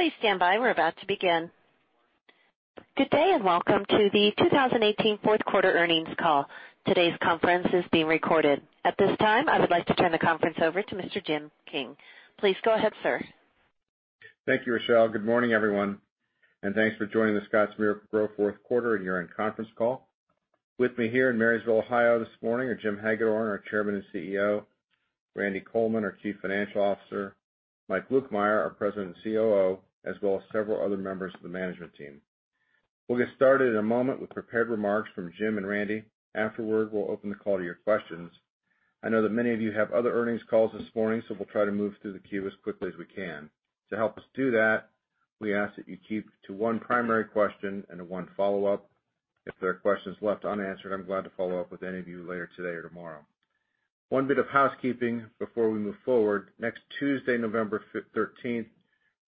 Please stand by. We're about to begin. Good day. Welcome to the 2018 fourth quarter earnings call. Today's conference is being recorded. At this time, I would like to turn the conference over to Mr. Jim King. Please go ahead, sir. Thank you, Rochelle. Good morning, everyone. Thanks for joining The Scotts Miracle-Gro fourth quarter and year-end conference call. With me here in Marysville, Ohio, this morning are Jim Hagedorn, our Chairman and CEO, Randy Coleman, our Chief Financial Officer, Mike Lukemire, our President and COO, as well as several other members of the management team. We'll get started in a moment with prepared remarks from Jim and Randy. Afterward, we'll open the call to your questions. I know that many of you have other earnings calls this morning. We'll try to move through the queue as quickly as we can. To help us do that, we ask that you keep to one primary question and one follow-up. If there are questions left unanswered, I'm glad to follow up with any of you later today or tomorrow. One bit of housekeeping before we move forward. Next Tuesday, November 13th,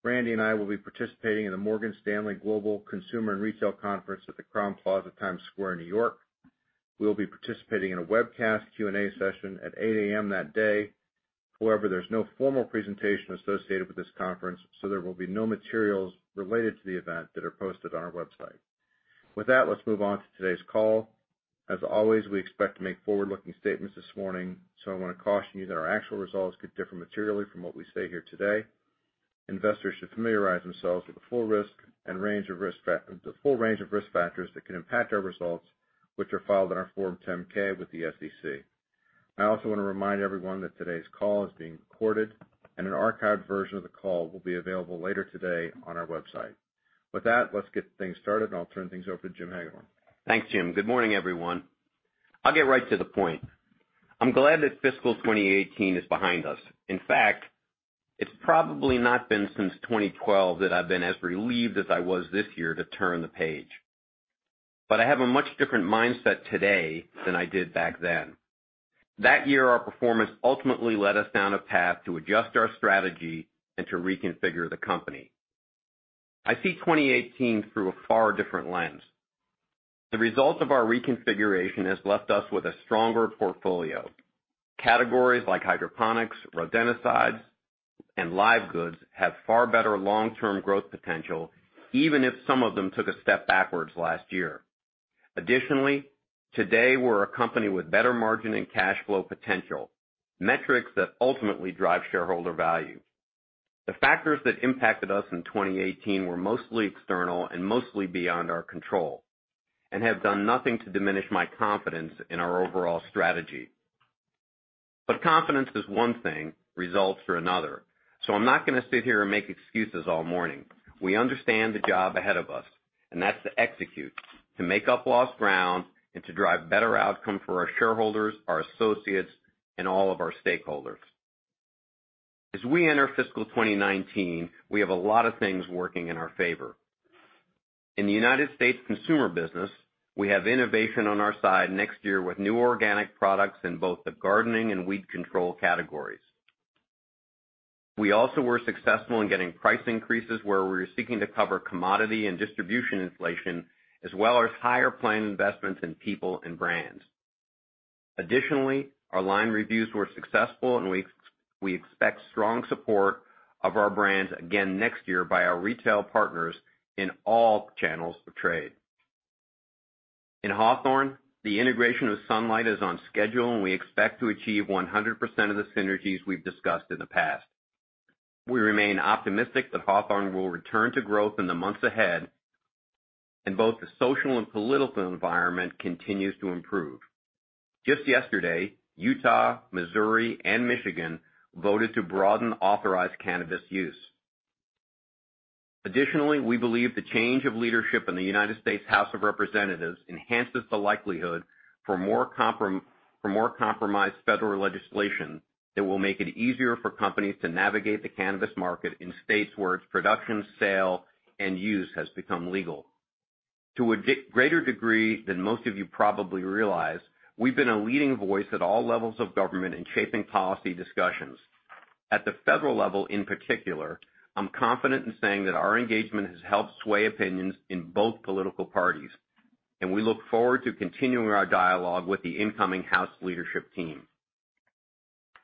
Randy and I will be participating in the Morgan Stanley Global Consumer and Retail Conference at the Crowne Plaza Times Square in New York. We'll be participating in a webcast Q&A session at 8:00 A.M. that day. However, there's no formal presentation associated with this conference. There will be no materials related to the event that are posted on our website. With that, let's move on to today's call. As always, we expect to make forward-looking statements this morning. I want to caution you that our actual results could differ materially from what we say here today. Investors should familiarize themselves with the full range of risk factors that could impact our results, which are filed in our Form 10-K with the SEC. I also want to remind everyone that today's call is being recorded. An archived version of the call will be available later today on our website. With that, let's get things started. I'll turn things over to Jim Hagedorn. Thanks, Jim. Good morning, everyone. I'll get right to the point. I'm glad that fiscal 2018 is behind us. In fact, it's probably not been since 2012 that I've been as relieved as I was this year to turn the page. I have a much different mindset today than I did back then. That year, our performance ultimately led us down a path to adjust our strategy and to reconfigure the company. I see 2018 through a far different lens. The results of our reconfiguration has left us with a stronger portfolio. Categories like hydroponics, rodenticides, and live goods have far better long-term growth potential, even if some of them took a step backwards last year. Additionally, today, we're a company with better margin and cash flow potential, metrics that ultimately drive shareholder value. The factors that impacted us in 2018 were mostly external and mostly beyond our control, and have done nothing to diminish my confidence in our overall strategy. Confidence is one thing, results are another. I'm not going to sit here and make excuses all morning. We understand the job ahead of us, and that's to execute, to make up lost ground, and to drive better outcome for our shareholders, our associates, and all of our stakeholders. As we enter fiscal 2019, we have a lot of things working in our favor. In the U.S. consumer business, we have innovation on our side next year with new organic products in both the gardening and weed control categories. We also were successful in getting price increases where we were seeking to cover commodity and distribution inflation, as well as higher planned investments in people and brands. Additionally, our line reviews were successful, and we expect strong support of our brands again next year by our retail partners in all channels of trade. In Hawthorne, the integration with Sunlight Supply is on schedule, and we expect to achieve 100% of the synergies we've discussed in the past. We remain optimistic that Hawthorne will return to growth in the months ahead, and both the social and political environment continues to improve. Just yesterday, Utah, Missouri, and Michigan voted to broaden authorized cannabis use. Additionally, we believe the change of leadership in the U.S. House of Representatives enhances the likelihood for more compromised federal legislation that will make it easier for companies to navigate the cannabis market in states where its production, sale, and use has become legal. To a greater degree than most of you probably realize, we've been a leading voice at all levels of government in shaping policy discussions. At the federal level in particular, I'm confident in saying that our engagement has helped sway opinions in both political parties, and we look forward to continuing our dialogue with the incoming House leadership team.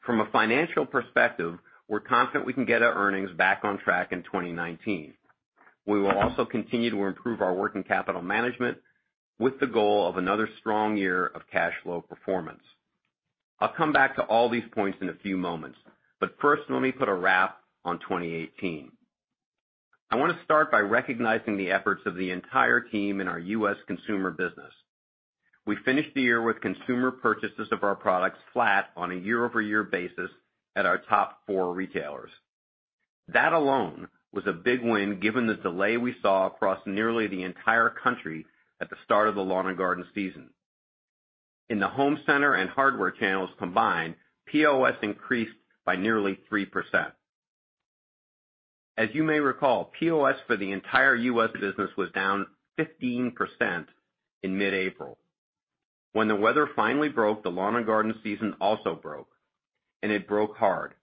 From a financial perspective, we're confident we can get our earnings back on track in 2019. We will also continue to improve our working capital management with the goal of another strong year of cash flow performance. I'll come back to all these points in a few moments, first, let me put a wrap on 2018. I want to start by recognizing the efforts of the entire team in our U.S. consumer business. We finished the year with consumer purchases of our products flat on a year-over-year basis at our top 4 retailers. That alone was a big win given the delay we saw across nearly the entire country at the start of the lawn and garden season. In the home center and hardware channels combined, POS increased by nearly 3%. As you may recall, POS for the entire U.S. business was down 15% in mid-April. When the weather finally broke, the lawn and garden season also broke, and it broke hard.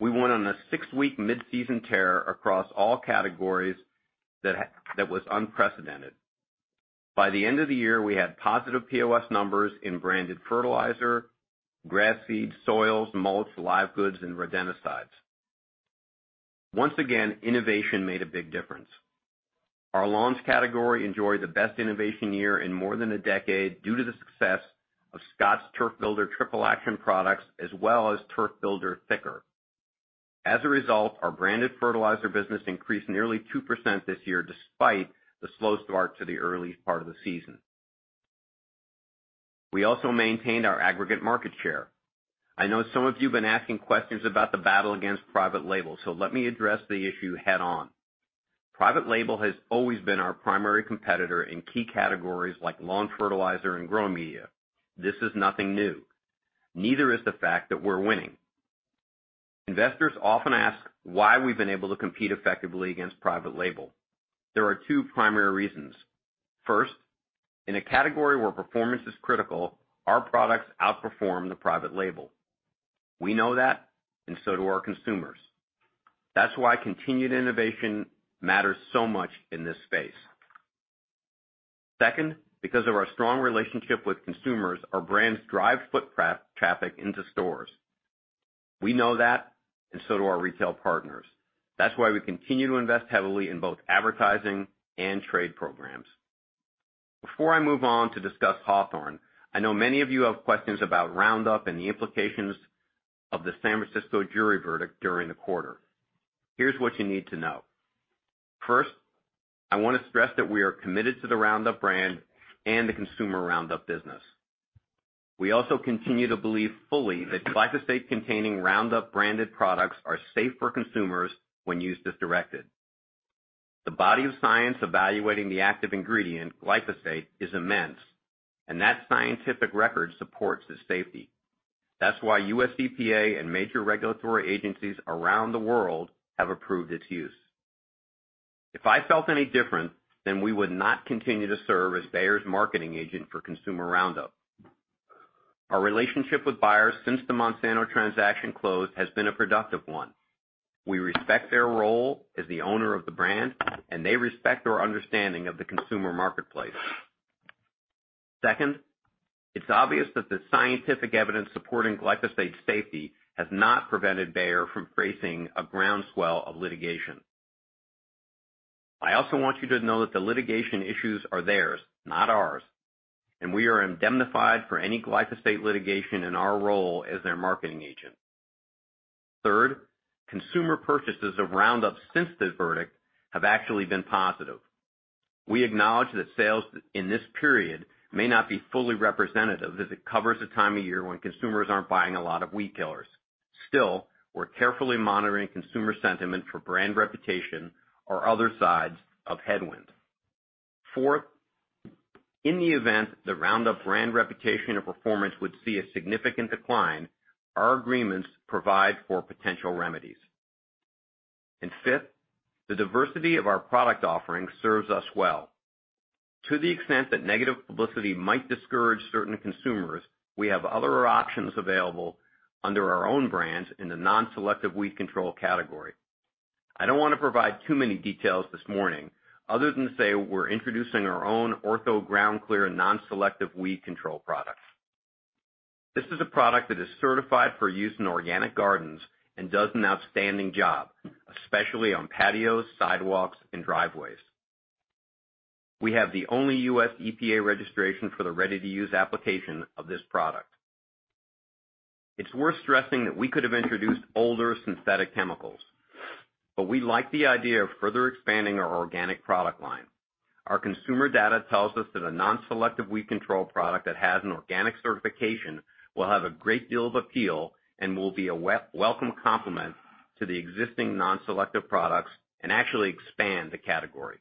We went on a 6-week mid-season tear across all categories that was unprecedented. By the end of the year, we had positive POS numbers in branded fertilizer, grass seeds, soils, mulches, live goods, and rodenticides. Once again, innovation made a big difference. Our lawns category enjoyed the best innovation year in more than a decade due to the success of Scotts Turf Builder Triple Action products, as well as Turf Builder Thick'R Lawn. As a result, our branded fertilizer business increased nearly 2% this year despite the slow start to the early part of the season. We also maintained our aggregate market share. I know some of you have been asking questions about the battle against private label. Let me address the issue head-on. Private label has always been our primary competitor in key categories like lawn fertilizer and growing media. This is nothing new. Neither is the fact that we're winning. Investors often ask why we've been able to compete effectively against private label. There are 2 primary reasons. First, in a category where performance is critical, our products outperform the private label. We know that, and so do our consumers. That's why continued innovation matters so much in this space. Second, because of our strong relationship with consumers, our brands drive foot traffic into stores. We know that, and so do our retail partners. That's why we continue to invest heavily in both advertising and trade programs. Before I move on to discuss Hawthorne, I know many of you have questions about Roundup and the implications of the San Francisco jury verdict during the quarter. Here's what you need to know. First, I want to stress that we are committed to the Roundup brand and the consumer Roundup business. We also continue to believe fully that glyphosate-containing Roundup branded products are safe for consumers when used as directed. The body of science evaluating the active ingredient, glyphosate, is immense. That scientific record supports its safety. That's why U.S. EPA and major regulatory agencies around the world have approved its use. If I felt any different, we would not continue to serve as Bayer's marketing agent for consumer Roundup. Our relationship with Bayer since the Monsanto transaction closed has been a productive one. We respect their role as the owner of the brand. They respect our understanding of the consumer marketplace. Second, it's obvious that the scientific evidence supporting glyphosate safety has not prevented Bayer from facing a groundswell of litigation. I also want you to know that the litigation issues are theirs, not ours. We are indemnified for any glyphosate litigation in our role as their marketing agent. Third, consumer purchases of Roundup since the verdict have actually been positive. We acknowledge that sales in this period may not be fully representative as it covers a time of year when consumers aren't buying a lot of weed killers. We're carefully monitoring consumer sentiment for brand reputation or other sides of headwind. Fourth, in the event the Roundup brand reputation or performance would see a significant decline, our agreements provide for potential remedies. Fifth, the diversity of our product offerings serves us well. To the extent that negative publicity might discourage certain consumers, we have other options available under our own brands in the non-selective weed control category. I don't want to provide too many details this morning, other than to say we're introducing our own Ortho GroundClear non-selective weed control products. This is a product that is certified for use in organic gardens and does an outstanding job, especially on patios, sidewalks, and driveways. We have the only US EPA registration for the ready-to-use application of this product. It's worth stressing that we could have introduced older synthetic chemicals. We like the idea of further expanding our organic product line. Our consumer data tells us that a non-selective weed control product that has an organic certification will have a great deal of appeal and will be a welcome complement to the existing non-selective products and actually expand the category.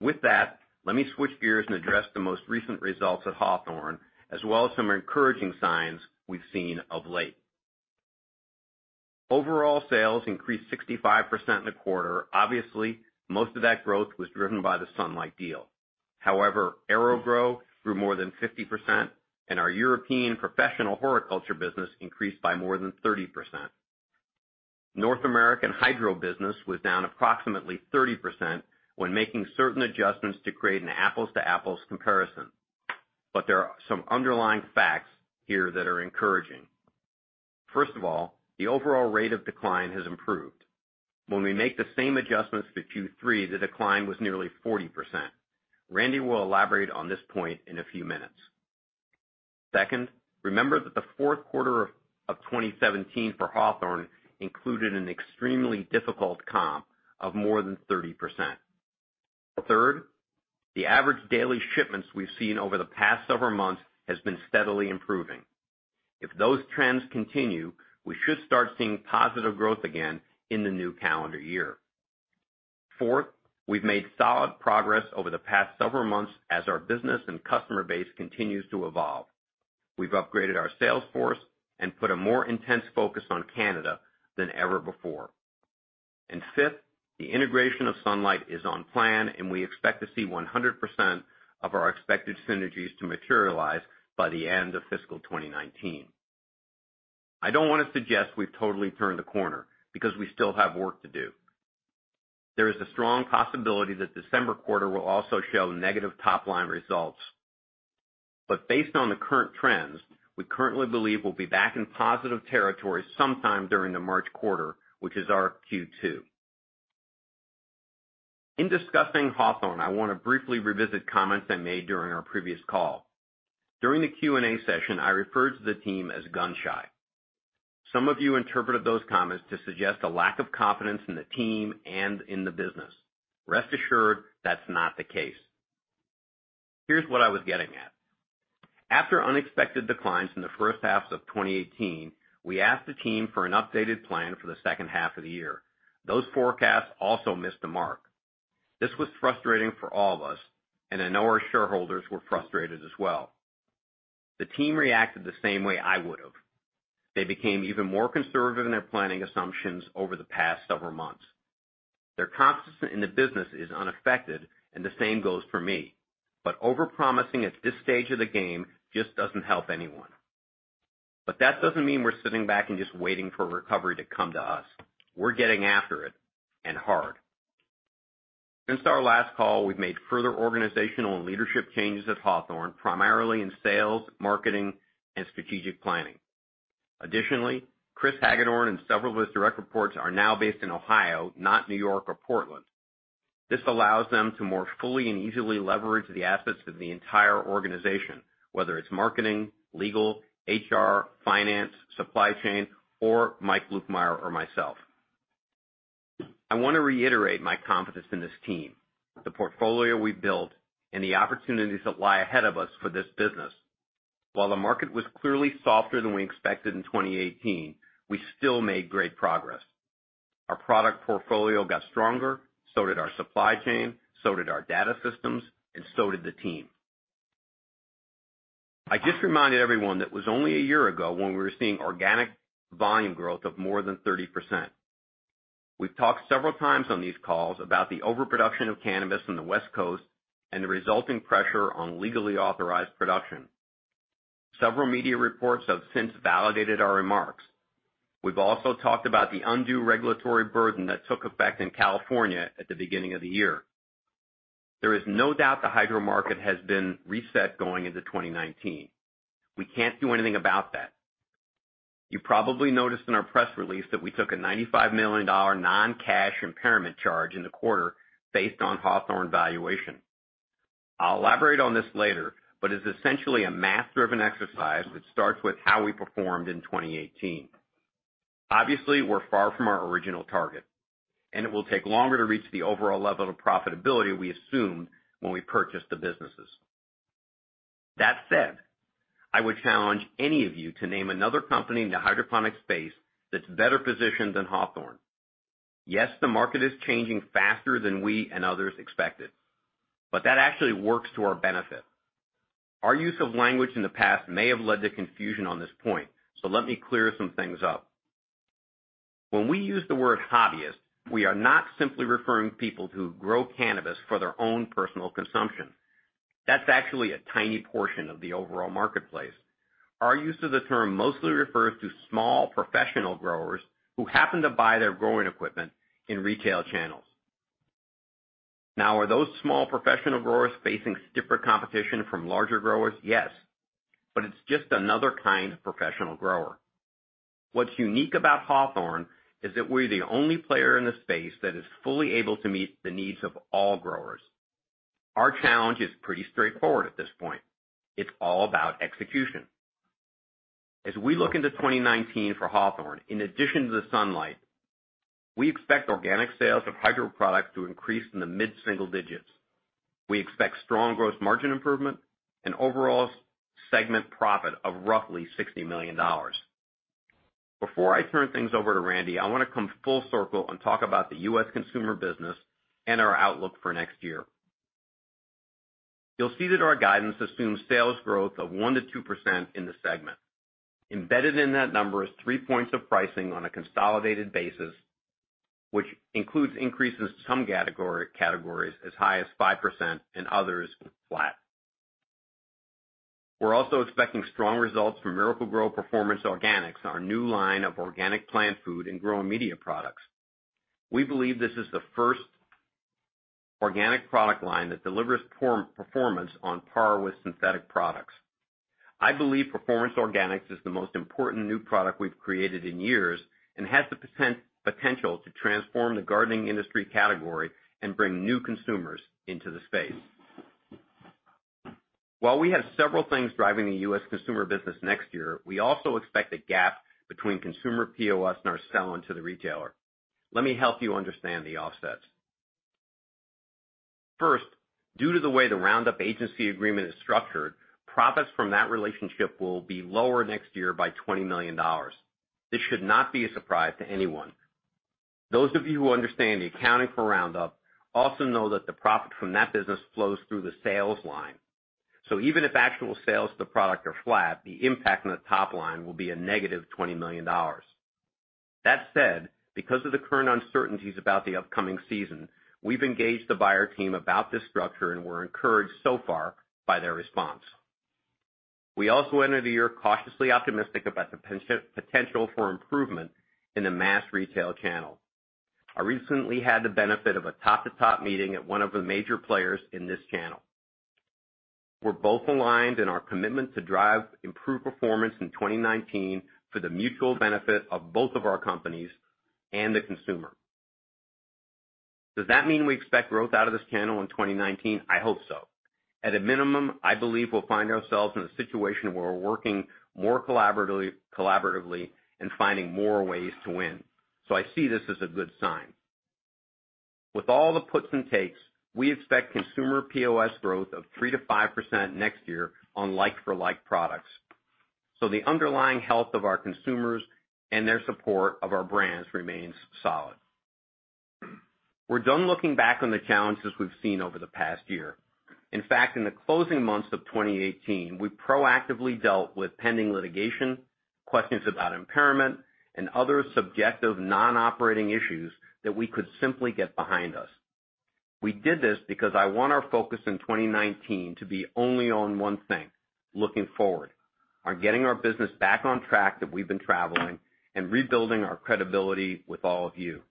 With that, let me switch gears and address the most recent results at Hawthorne, as well as some encouraging signs we've seen of late. Overall sales increased 65% in the quarter. Obviously, most of that growth was driven by the Sunlight deal. However, AeroGrow grew more than 50%, and our European professional horticulture business increased by more than 30%. North American hydro business was down approximately 30% when making certain adjustments to create an apples to apples comparison. There are some underlying facts here that are encouraging. First of all, the overall rate of decline has improved. When we make the same adjustments for Q3, the decline was nearly 40%. Randy will elaborate on this point in a few minutes. Second, remember that the fourth quarter of 2017 for Hawthorne included an extremely difficult comp of more than 30%. Third, the average daily shipments we've seen over the past several months has been steadily improving. If those trends continue, we should start seeing positive growth again in the new calendar year. Fourth, we've made solid progress over the past several months as our business and customer base continues to evolve. We've upgraded our sales force and put a more intense focus on Canada than ever before. Fifth, the integration of Sunlight is on plan, and we expect to see 100% of our expected synergies to materialize by the end of fiscal 2019. I don't want to suggest we've totally turned the corner because we still have work to do. There is a strong possibility that December quarter will also show negative top-line results. Based on the current trends, we currently believe we'll be back in positive territory sometime during the March quarter, which is our Q2. In discussing Hawthorne, I want to briefly revisit comments I made during our previous call. During the Q&A session, I referred to the team as gun-shy. Some of you interpreted those comments to suggest a lack of confidence in the team and in the business. Rest assured, that's not the case. Here's what I was getting at. After unexpected declines in the first half of 2018, we asked the team for an updated plan for the second half of the year. Those forecasts also missed the mark. This was frustrating for all of us, and I know our shareholders were frustrated as well. The team reacted the same way I would've. They became even more conservative in their planning assumptions over the past several months. Their confidence in the business is unaffected, and the same goes for me. Over-promising at this stage of the game just doesn't help anyone. That doesn't mean we're sitting back and just waiting for recovery to come to us. We're getting after it, and hard. Since our last call, we've made further organizational and leadership changes at Hawthorne, primarily in sales, marketing, and strategic planning. Additionally, Chris Hagedorn and several of his direct reports are now based in Ohio, not New York or Portland. This allows them to more fully and easily leverage the assets of the entire organization, whether it's marketing, legal, HR, finance, supply chain, or Mike Lukemire or myself. I want to reiterate my confidence in this team, the portfolio we built, and the opportunities that lie ahead of us for this business. While the market was clearly softer than we expected in 2018, we still made great progress. Our product portfolio got stronger, so did our supply chain, so did our data systems, and so did the team. I just reminded everyone that was only a year ago when we were seeing organic volume growth of more than 30%. We've talked several times on these calls about the overproduction of cannabis on the West Coast and the resulting pressure on legally authorized production. Several media reports have since validated our remarks. We've also talked about the undue regulatory burden that took effect in California at the beginning of the year. There is no doubt the hydro market has been reset going into 2019. We can't do anything about that. You probably noticed in our press release that we took a $95 million non-cash impairment charge in the quarter based on Hawthorne valuation. I'll elaborate on this later, but it's essentially a math-driven exercise that starts with how we performed in 2018. Obviously, we're far from our original target, and it will take longer to reach the overall level of profitability we assumed when we purchased the businesses. That said, I would challenge any of you to name another company in the hydroponic space that's better positioned than Hawthorne. Yes, the market is changing faster than we and others expected, that actually works to our benefit. Our use of language in the past may have led to confusion on this point, so let me clear some things up. When we use the word hobbyist, we are not simply referring to people who grow cannabis for their own personal consumption. That's actually a tiny portion of the overall marketplace. Our use of the term mostly refers to small professional growers who happen to buy their growing equipment in retail channels. Now, are those small professional growers facing stiffer competition from larger growers? Yes. It's just another kind of professional grower. What's unique about Hawthorne is that we're the only player in the space that is fully able to meet the needs of all growers. Our challenge is pretty straightforward at this point. It's all about execution. As we look into 2019 for Hawthorne, in addition to the Sunlight Supply, we expect organic sales of hydro products to increase in the mid-single digits. We expect strong gross margin improvement and overall segment profit of roughly $60 million. Before I turn things over to Randy, I want to come full circle and talk about the U.S. consumer business and our outlook for next year. You'll see that our guidance assumes sales growth of 1%-2% in the segment. Embedded in that number is three points of pricing on a consolidated basis, which includes increases to some categories as high as 5% and others flat. We're also expecting strong results from Miracle-Gro Performance Organics, our new line of organic plant food and growing media products. We believe this is the first organic product line that delivers performance on par with synthetic products. I believe Performance Organics is the most important new product we've created in years and has the potential to transform the gardening industry category and bring new consumers into the space. While we have several things driving the U.S. consumer business next year, we also expect a gap between consumer POS and our sell-in to the retailer. Let me help you understand the offsets. First, due to the way the Roundup agency agreement is structured, profits from that relationship will be lower next year by $20 million. This should not be a surprise to anyone. Those of you who understand the accounting for Roundup also know that the profit from that business flows through the sales line. Even if actual sales of the product are flat, the impact on the top line will be a negative $20 million. That said, because of the current uncertainties about the upcoming season, we've engaged the Bayer team about this structure, and we're encouraged so far by their response. We also enter the year cautiously optimistic about the potential for improvement in the mass retail channel. I recently had the benefit of a top-to-top meeting at one of the major players in this channel. We're both aligned in our commitment to drive improved performance in 2019 for the mutual benefit of both of our companies and the consumer. Does that mean we expect growth out of this channel in 2019? I hope so. At a minimum, I believe we'll find ourselves in a situation where we're working more collaboratively and finding more ways to win. I see this as a good sign. With all the puts and takes, we expect consumer POS growth of 3%-5% next year on like-for-like products. The underlying health of our consumers and their support of our brands remains solid. We're done looking back on the challenges we've seen over the past year. In fact, in the closing months of 2018, we proactively dealt with pending litigation, questions about impairment, and other subjective non-operating issues that we could simply get behind us. We did this because I want our focus in 2019 to be only on one thing, looking forward, on getting our business back on track that we've been traveling, and rebuilding our credibility with all of you.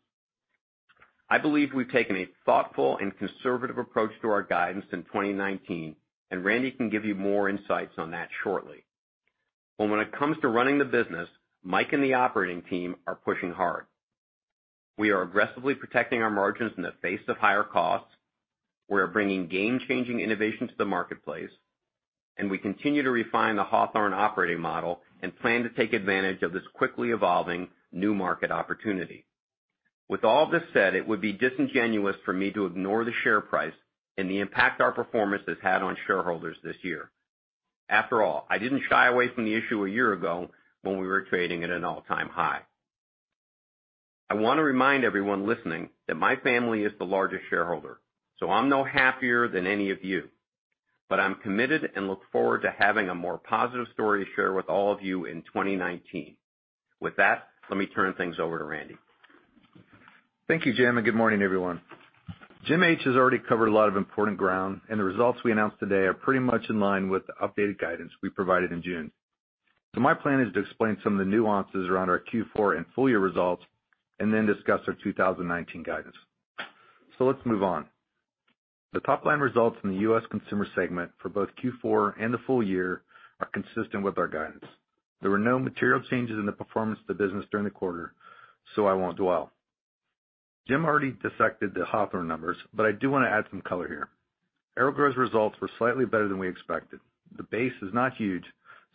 I believe we've taken a thoughtful and conservative approach to our guidance in 2019. Randy can give you more insights on that shortly. When it comes to running the business, Mike and the operating team are pushing hard. We are aggressively protecting our margins in the face of higher costs, we're bringing game-changing innovation to the marketplace, and we continue to refine the Hawthorne operating model and plan to take advantage of this quickly evolving new market opportunity. With all this said, it would be disingenuous for me to ignore the share price and the impact our performance has had on shareholders this year. After all, I didn't shy away from the issue a year ago when we were trading at an all-time high. I want to remind everyone listening that my family is the largest shareholder. I'm no happier than any of you. I'm committed and look forward to having a more positive story to share with all of you in 2019. With that, let me turn things over to Randy. Thank you, Jim, and good morning, everyone. Jim H. has already covered a lot of important ground. The results we announced today are pretty much in line with the updated guidance we provided in June. My plan is to explain some of the nuances around our Q4 and full-year results and then discuss our 2019 guidance. Let's move on. The top-line results in the U.S. consumer segment for both Q4 and the full year are consistent with our guidance. There were no material changes in the performance of the business during the quarter. I won't dwell. Jim already dissected the Hawthorne numbers. I do want to add some color here. AeroGrow's results were slightly better than we expected. The base is not huge.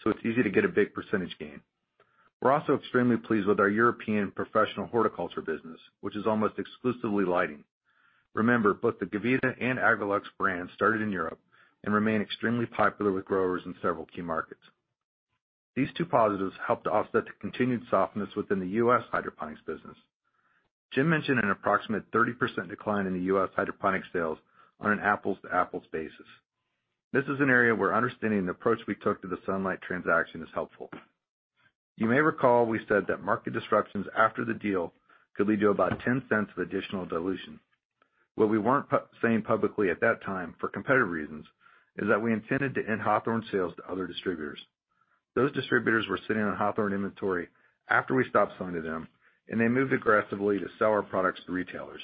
It's easy to get a big percentage gain. We're also extremely pleased with our European professional horticulture business, which is almost exclusively lighting. Remember, both the Gavita and Agrolux brands started in Europe and remain extremely popular with growers in several key markets. These two positives helped to offset the continued softness within the U.S. hydroponics business. Jim mentioned an approximate 30% decline in the U.S. hydroponics sales on an apples-to-apples basis. This is an area where understanding the approach we took to the Sunlight transaction is helpful. You may recall we said that market disruptions after the deal could lead to about $0.10 of additional dilution. What we weren't saying publicly at that time, for competitive reasons, is that we intended to end Hawthorne sales to other distributors. Those distributors were sitting on Hawthorne inventory after we stopped selling to them. They moved aggressively to sell our products to retailers.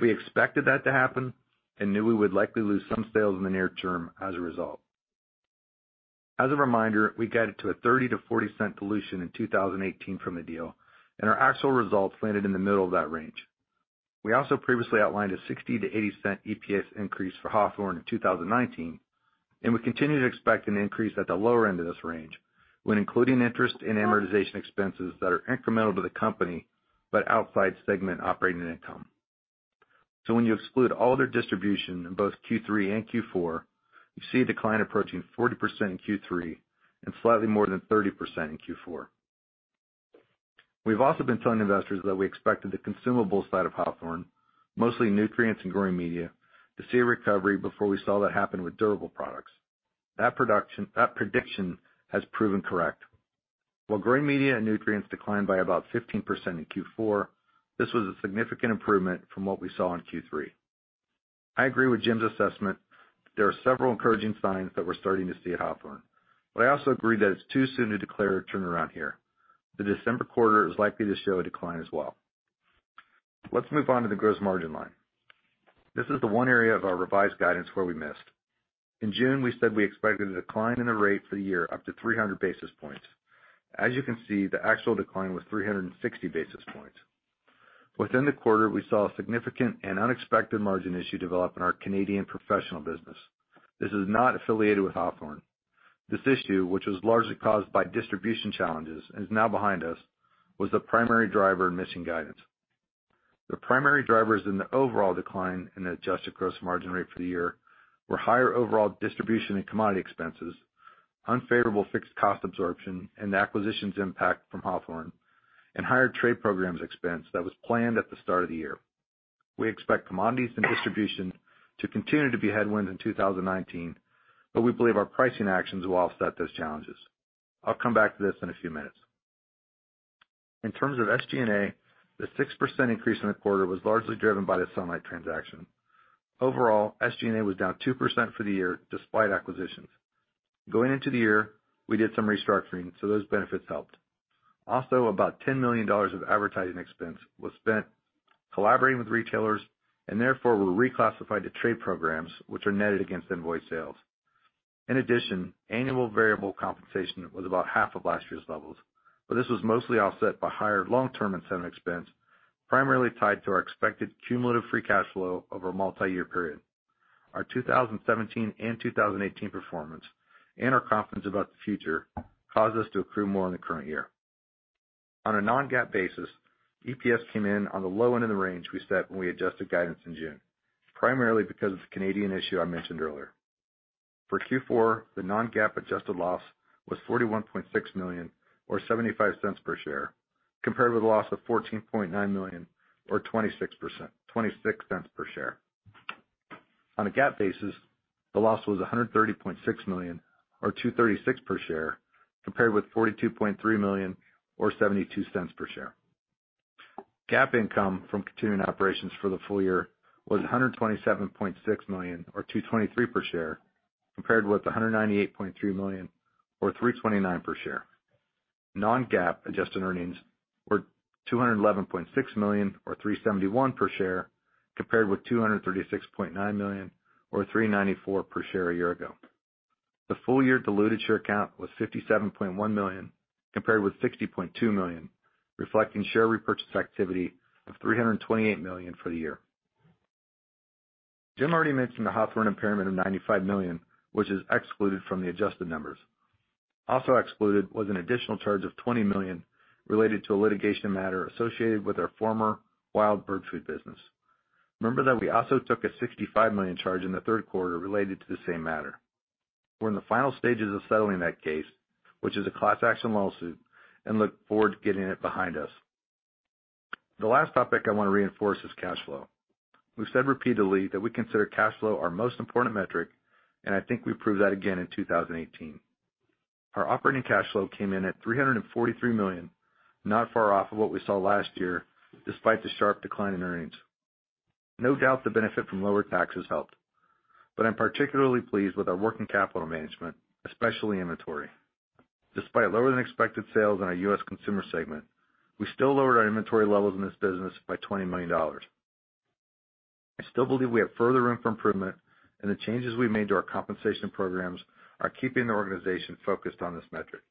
We expected that to happen and knew we would likely lose some sales in the near term as a result. As a reminder, we guided to a $0.30-$0.40 dilution in 2018 from the deal, and our actual results landed in the middle of that range. We also previously outlined a $0.60-$0.80 EPS increase for Hawthorne in 2019, and we continue to expect an increase at the lower end of this range when including interest and amortization expenses that are incremental to the company, but outside segment operating income. When you exclude all other distribution in both Q3 and Q4, you see a decline approaching 40% in Q3 and slightly more than 30% in Q4. We've also been telling investors that we expected the consumable side of Hawthorne, mostly nutrients and growing media, to see a recovery before we saw that happen with durable products. That prediction has proven correct. While growing media and nutrients declined by about 15% in Q4, this was a significant improvement from what we saw in Q3. I agree with Jim's assessment. There are several encouraging signs that we're starting to see at Hawthorne, but I also agree that it's too soon to declare a turnaround here. The December quarter is likely to show a decline as well. Let's move on to the gross margin line. This is the one area of our revised guidance where we missed. In June, we said we expected a decline in the rate for the year up to 300 basis points. As you can see, the actual decline was 360 basis points. Within the quarter, we saw a significant and unexpected margin issue develop in our Canadian professional business. This is not affiliated with Hawthorne. This issue, which was largely caused by distribution challenges and is now behind us, was the primary driver in missing guidance. The primary drivers in the overall decline in the adjusted gross margin rate for the year were higher overall distribution and commodity expenses, unfavorable fixed cost absorption, and the acquisitions impact from Hawthorne, and higher trade programs expense that was planned at the start of the year. We expect commodities and distribution to continue to be headwinds in 2019, but we believe our pricing actions will offset those challenges. I'll come back to this in a few minutes. In terms of SG&A, the 6% increase in the quarter was largely driven by the Sunlight transaction. Overall, SG&A was down 2% for the year despite acquisitions. Going into the year, we did some restructuring, those benefits helped. Also, about $10 million of advertising expense was spent collaborating with retailers and therefore were reclassified to trade programs, which are netted against invoice sales. In addition, annual variable compensation was about half of last year's levels, but this was mostly offset by higher long-term incentive expense, primarily tied to our expected cumulative free cash flow over a multi-year period. Our 2017 and 2018 performance and our confidence about the future caused us to accrue more in the current year. On a non-GAAP basis, EPS came in on the low end of the range we set when we adjusted guidance in June, primarily because of the Canadian issue I mentioned earlier. For Q4, the non-GAAP adjusted loss was $41.6 million or $0.75 per share, compared with a loss of $14.9 million or $0.26 per share. On a GAAP basis, the loss was $130.6 million or $2.36 per share, compared with $42.3 million or $0.72 per share. GAAP income from continuing operations for the full year was $127.6 million or $2.23 per share, compared with $198.3 million or $3.29 per share. Non-GAAP adjusted earnings were $211.6 million or $3.71 per share, compared with $236.9 million or $3.94 per share a year ago. The full-year diluted share count was 57.1 million, compared with 60.2 million, reflecting share repurchase activity of $328 million for the year. Jim already mentioned the Hawthorne impairment of $95 million, which is excluded from the adjusted numbers. Also excluded was an additional charge of $20 million related to a litigation matter associated with our former wild bird food business. Remember that we also took a $65 million charge in the third quarter related to the same matter. We're in the final stages of settling that case, which is a class action lawsuit, and look forward to getting it behind us. The last topic I want to reinforce is cash flow. We've said repeatedly that we consider cash flow our most important metric, and I think we proved that again in 2018. Our operating cash flow came in at $343 million, not far off of what we saw last year, despite the sharp decline in earnings. No doubt the benefit from lower taxes helped, but I'm particularly pleased with our working capital management, especially inventory. Despite lower than expected sales in our U.S. consumer segment, we still lowered our inventory levels in this business by $20 million. I still believe we have further room for improvement, and the changes we've made to our compensation programs are keeping the organization focused on this metric.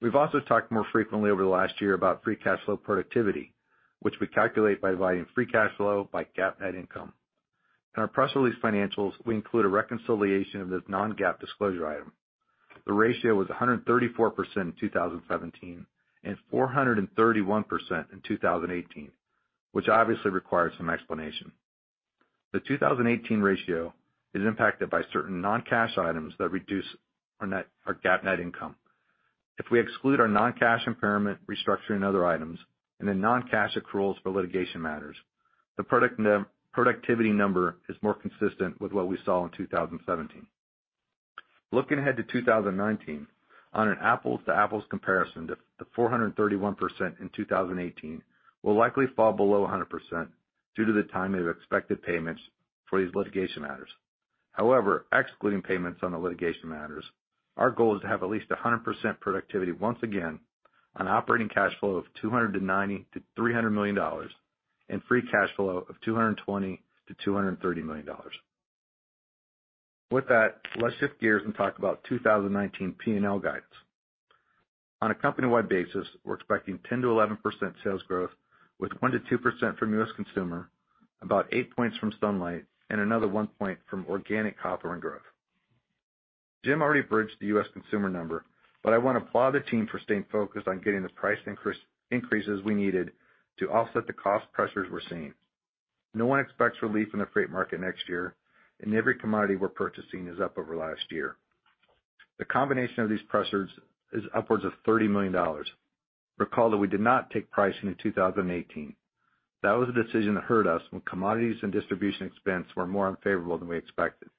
We've also talked more frequently over the last year about free cash flow productivity, which we calculate by dividing free cash flow by GAAP net income. In our press release financials, we include a reconciliation of this non-GAAP disclosure item. The ratio was 134% in 2017 and 431% in 2018, which obviously requires some explanation. The 2018 ratio is impacted by certain non-cash items that reduce our GAAP net income. If we exclude our non-cash impairment, restructure and other items and the non-cash accruals for litigation matters, the productivity number is more consistent with what we saw in 2017. Looking ahead to 2019, on an apples to apples comparison, the 431% in 2018 will likely fall below 100% due to the timing of expected payments for these litigation matters. Excluding payments on the litigation matters, our goal is to have at least 100% productivity once again on operating cash flow of $290 million-$300 million and free cash flow of $220 million-$230 million. With that, let's shift gears and talk about 2019 P&L guidance. On a company-wide basis, we're expecting 10%-11% sales growth with 1%-2% from U.S. consumer, about 8 points from Sunlight, and another 1 point from organic Hawthorne growth. Jim already bridged the U.S. consumer number, but I want to applaud the team for staying focused on getting the price increases we needed to offset the cost pressures we're seeing. No one expects relief in the freight market next year, and every commodity we're purchasing is up over last year. The combination of these pressures is upwards of $30 million. Recall that we did not take pricing in 2018. That was a decision that hurt us when commodities and distribution expense were more unfavorable than we expected.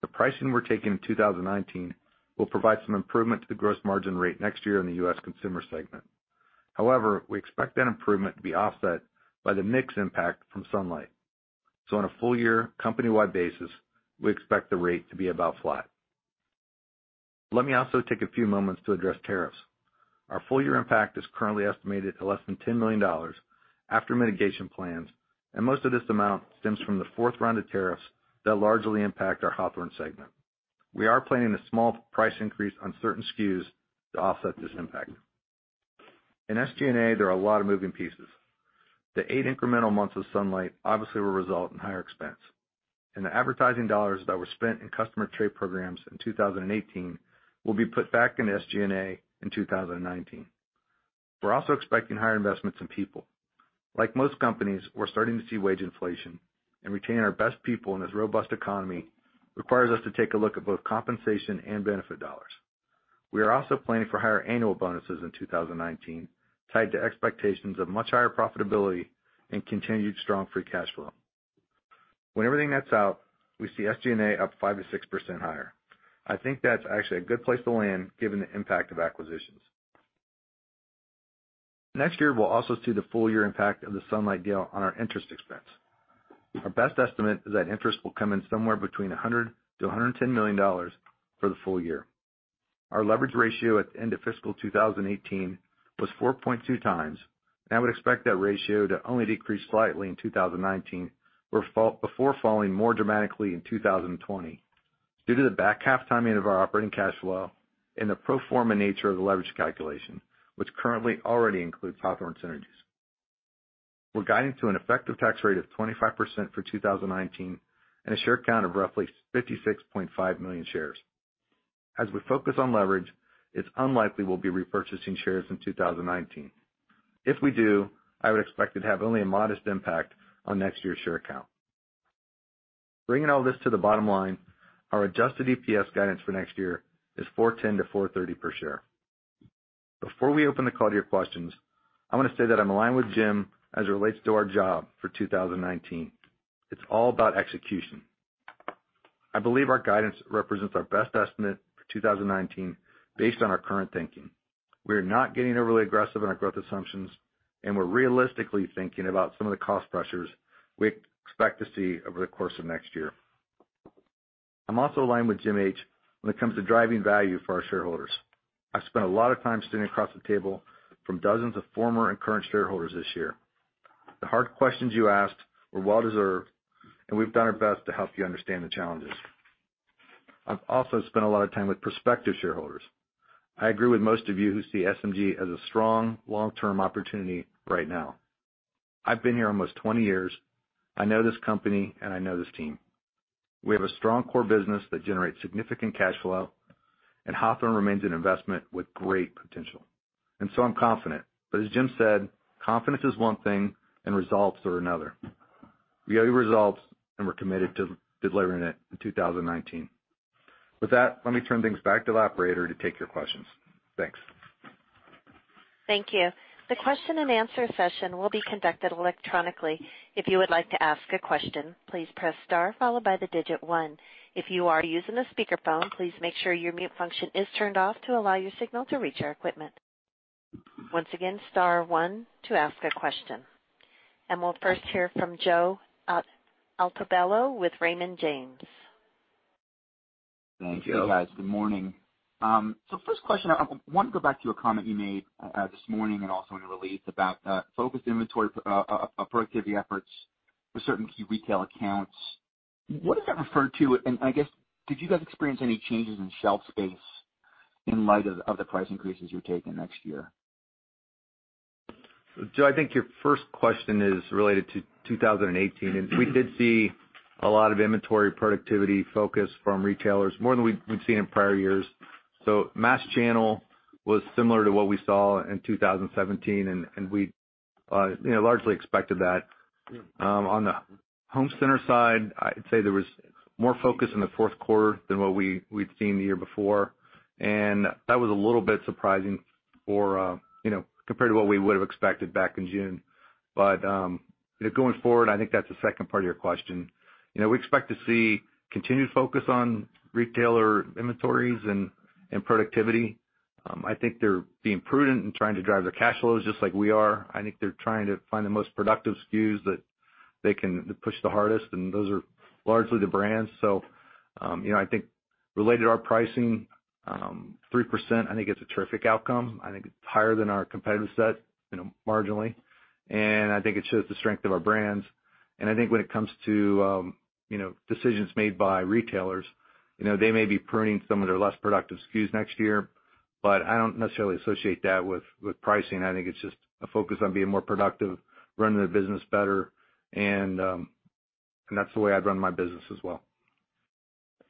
The pricing we're taking in 2019 will provide some improvement to the gross margin rate next year in the U.S. consumer segment. We expect that improvement to be offset by the mix impact from Sunlight. On a full-year, company-wide basis, we expect the rate to be about flat. Let me also take a few moments to address tariffs. Our full-year impact is currently estimated at less than $10 million after mitigation plans, most of this amount stems from the fourth round of tariffs that largely impact our Hawthorne segment. We are planning a small price increase on certain SKUs to offset this impact. In SG&A, there are a lot of moving pieces. The eight incremental months of Sunlight obviously will result in higher expense, the advertising dollars that were spent in customer trade programs in 2018 will be put back into SG&A in 2019. We're also expecting higher investments in people. Like most companies, we're starting to see wage inflation, retaining our best people in this robust economy requires us to take a look at both compensation and benefit dollars. We are also planning for higher annual bonuses in 2019, tied to expectations of much higher profitability and continued strong free cash flow. When everything nets out, we see SG&A up 5%-6% higher. I think that's actually a good place to land, given the impact of acquisitions. Next year, we'll also see the full-year impact of the Sunlight deal on our interest expense. Our best estimate is that interest will come in somewhere between $100 million-$110 million for the full-year. Our leverage ratio at the end of fiscal 2018 was 4.2 times. I would expect that ratio to only decrease slightly in 2019, before falling more dramatically in 2020 due to the back half timing of our operating cash flow and the pro forma nature of the leverage calculation, which currently already includes Hawthorne synergies. We're guiding to an effective tax rate of 25% for 2019, a share count of roughly 56.5 million shares. We focus on leverage, it's unlikely we'll be repurchasing shares in 2019. If we do, I would expect it to have only a modest impact on next year's share count. Bringing all this to the bottom line, our adjusted EPS guidance for next year is $4.10-$4.30 per share. Before we open the call to your questions, I want to say that I'm aligned with Jim as it relates to our job for 2019. It's all about execution. I believe our guidance represents our best estimate for 2019 based on our current thinking. We're not getting overly aggressive in our growth assumptions, we're realistically thinking about some of the cost pressures we expect to see over the course of next year. I'm also aligned with Jim H. when it comes to driving value for our shareholders. I've spent a lot of time sitting across the table from dozens of former and current shareholders this year. The hard questions you asked were well-deserved, we've done our best to help you understand the challenges. I've also spent a lot of time with prospective shareholders. I agree with most of you who see SMG as a strong long-term opportunity right now. I've been here almost 20 years. I know this company, and I know this team. We have a strong core business that generates significant cash flow, and Hawthorne remains an investment with great potential. I'm confident. As Jim said, confidence is one thing, and results are another. We owe you results, and we're committed to delivering it in 2019. With that, let me turn things back to the operator to take your questions. Thanks. Thank you. The question and answer session will be conducted electronically. If you would like to ask a question, please press star followed by the digit one. If you are using a speakerphone, please make sure your mute function is turned off to allow your signal to reach our equipment. Once again, star one to ask a question. We'll first hear from Joseph Altobello with Raymond James. Hi, Joe. Thanks, guys. Good morning. First question, I wanted to go back to a comment you made this morning and also in the release about focused inventory productivity efforts for certain key retail accounts. What does that refer to, and I guess, did you guys experience any changes in shelf space in light of the price increases you're taking next year? Joe, I think your first question is related to 2018. We did see a lot of inventory productivity focus from retailers, more than we've seen in prior years. Mass channel was similar to what we saw in 2017, and we largely expected that. On the home center side, I'd say there was more focus in the fourth quarter than what we'd seen the year before, and that was a little bit surprising compared to what we would have expected back in June. Going forward, I think that's the second part of your question. We expect to see continued focus on retailer inventories and productivity. I think they're being prudent in trying to drive their cash flows just like we are. I think they're trying to find the most productive SKUs that they can push the hardest, and those are largely the brands. I think related to our pricing, 3%, I think it's a terrific outcome. I think it's higher than our competitive set, marginally. I think it shows the strength of our brands. I think when it comes to decisions made by retailers, they may be pruning some of their less productive SKUs next year. I don't necessarily associate that with pricing. I think it's just a focus on being more productive, running the business better, and that's the way I'd run my business as well.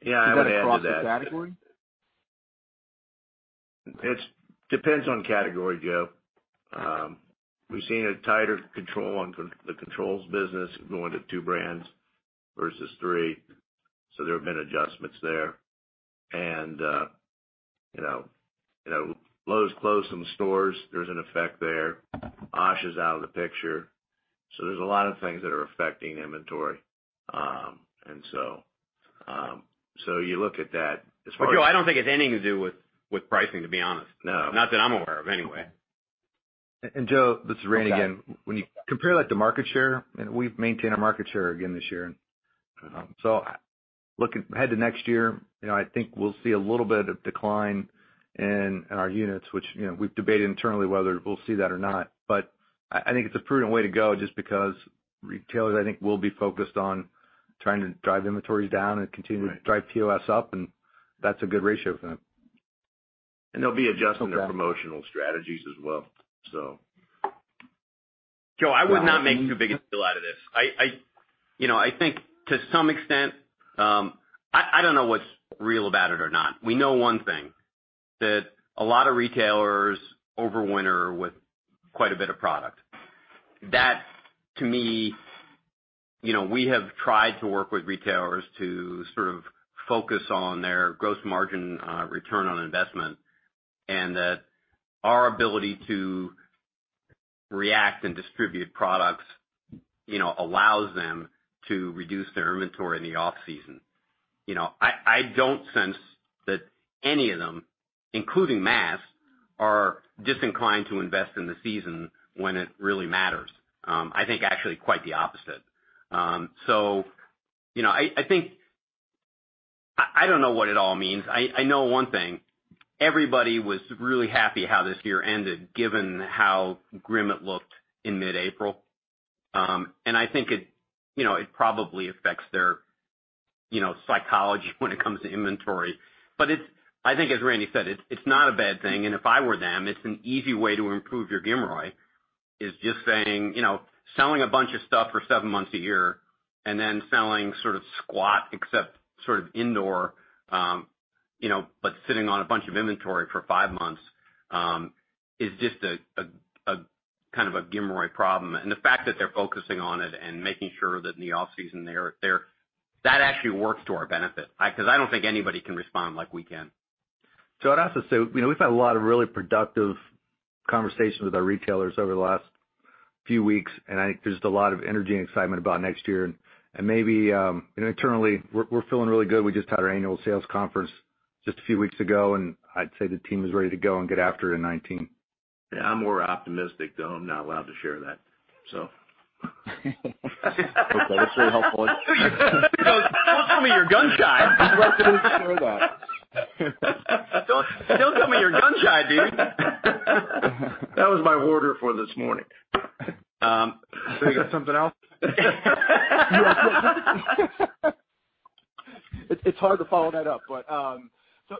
Yeah, and I would add to that. Is that across the category? It depends on category, Joe. We've seen a tighter control on the controls business going to two brands versus three. There have been adjustments there. Lowe's closed some stores. There's an effect there. Osh is out of the picture. There's a lot of things that are affecting inventory. You look at that as part of- Joe, I don't think it's anything to do with pricing, to be honest. No. Not that I'm aware of anyway. Joe, this is Randy again. Okay. When you compare that to market share, we've maintained our market share again this year. Ahead to next year, I think we'll see a little bit of decline in our units, which we've debated internally whether we'll see that or not. I think it's a prudent way to go just because retailers, I think, will be focused on trying to drive inventories down and continue to drive POS up, and that's a good ratio for them. They'll be adjusting their promotional strategies as well. Joe, I would not make too big a deal out of this. I think to some extent, I don't know what's real about it or not. We know one thing, that a lot of retailers over-winter with quite a bit of product. That, to me- We have tried to work with retailers to sort of focus on their gross margin return on investment, and that our ability to react and distribute products allows them to reduce their inventory in the off-season. I don't sense that any of them, including mass, are disinclined to invest in the season when it really matters. I think actually quite the opposite. I don't know what it all means. I know one thing, everybody was really happy how this year ended, given how grim it looked in mid-April. I think it probably affects their psychology when it comes to inventory. I think as Randy said, it's not a bad thing, and if I were them, it's an easy way to improve your GMROI, is just saying, selling a bunch of stuff for seven months a year and then selling sort of squat except sort of indoor, but sitting on a bunch of inventory for five months, is just a kind of a GMROI problem. The fact that they're focusing on it and making sure that in the off-season that actually works to our benefit. I don't think anybody can respond like we can. I'd also say, we've had a lot of really productive conversations with our retailers over the last few weeks, and I think there's just a lot of energy and excitement about next year. Maybe, internally, we're feeling really good. We just had our annual sales conference just a few weeks ago, and I'd say the team is ready to go and get after it in 2019. Yeah, I'm more optimistic, though I'm not allowed to share that. Okay. That's really helpful. Don't tell me you're gun-shy. I'm not going to share that. Don't tell me you're gun-shy, B. That was my order for this morning. Have you got something else? It's hard to follow that up.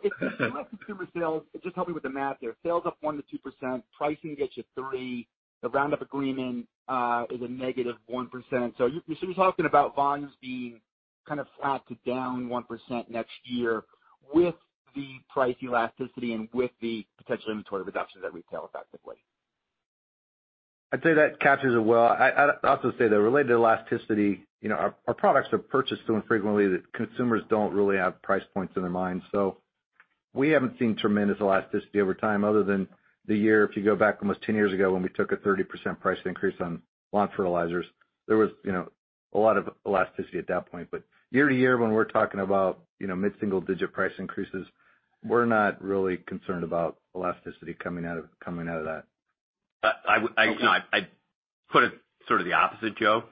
If you look at consumer sales, just help me with the math there. Sales up 1%-2%, pricing gets you 3%, the Roundup agreement is a -1%. You're sort of talking about volumes being kind of flat to -1% next year with the price elasticity and with the potential inventory reduction at retail effectively. I'd say that captures it well. I'd also say, though, related to elasticity, our products are purchased so infrequently that consumers don't really have price points in their minds. We haven't seen tremendous elasticity over time other than the year, if you go back almost 10 years ago when we took a 30% price increase on lawn fertilizers. There was a lot of elasticity at that point. Year to year, when we're talking about mid-single-digit price increases, we're not really concerned about elasticity coming out of that. I put it sort of the opposite, Joe,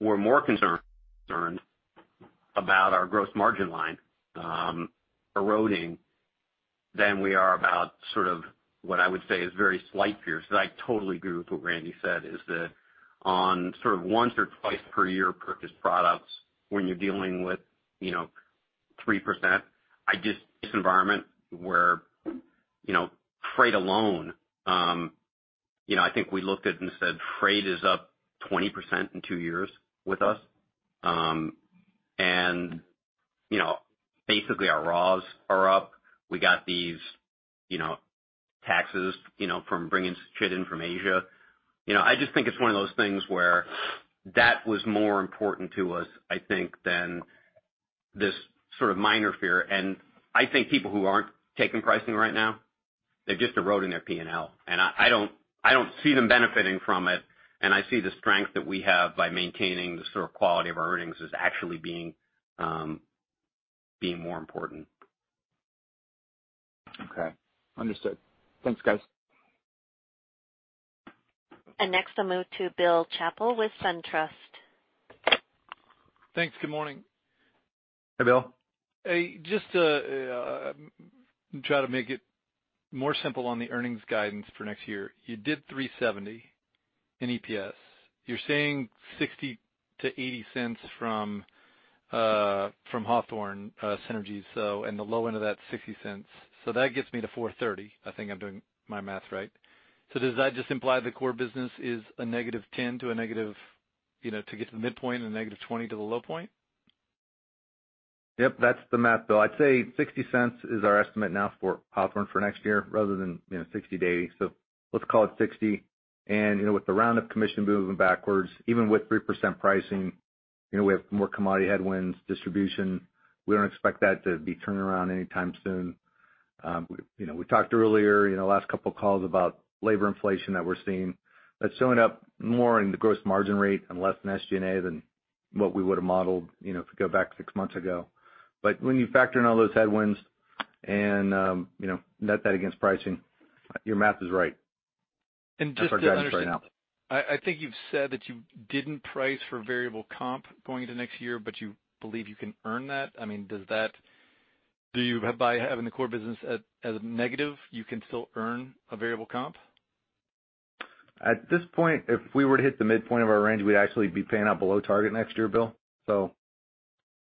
We're more concerned about our gross margin line eroding than we are about sort of what I would say is very slight fears. I totally agree with what Randy said, is that on sort of once or twice per year purchase products, when you're dealing with 3%, this environment where freight alone, I think we looked at and said freight is up 20% in two years with us. Basically our raws are up. We got these taxes from bringing shit in from Asia. I just think it's one of those things where that was more important to us, I think, than this sort of minor fear. I think people who aren't taking pricing right now, they're just eroding their P&L. I don't see them benefiting from it, and I see the strength that we have by maintaining the sort of quality of our earnings as actually being more important. Okay. Understood. Thanks, guys. Next I'll move to Bill Chappell with SunTrust. Thanks. Good morning. Hey, Bill. Just to try to make it more simple on the earnings guidance for next year. You did $3.70 in EPS. You're saying $0.60-$0.80 from Hawthorne synergies, and the low end of that, $0.60. That gets me to $4.30. I think I'm doing my math right. Does that just imply the core business is a -10% to get to the midpoint and a -20% to the low point? Yep, that's the math, Bill. I'd say $0.60 is our estimate now for Hawthorne for next year rather than $0.60-$0.80. Let's call it $0.60. With the Roundup commission moving backwards, even with 3% pricing, we have more commodity headwinds, distribution. We don't expect that to be turned around anytime soon. We talked earlier in the last couple of calls about labor inflation that we're seeing. That's showing up more in the gross margin rate and less in SG&A than what we would've modeled if we go back six months ago. When you factor in all those headwinds and net that against pricing, your math is right. That's our guidance right now. Just to understand, I think you've said that you didn't price for variable comp going into next year, but you believe you can earn that? I mean, do you, by having the core business as a negative, you can still earn a variable comp? At this point, if we were to hit the midpoint of our range, we'd actually be paying out below target next year, Bill.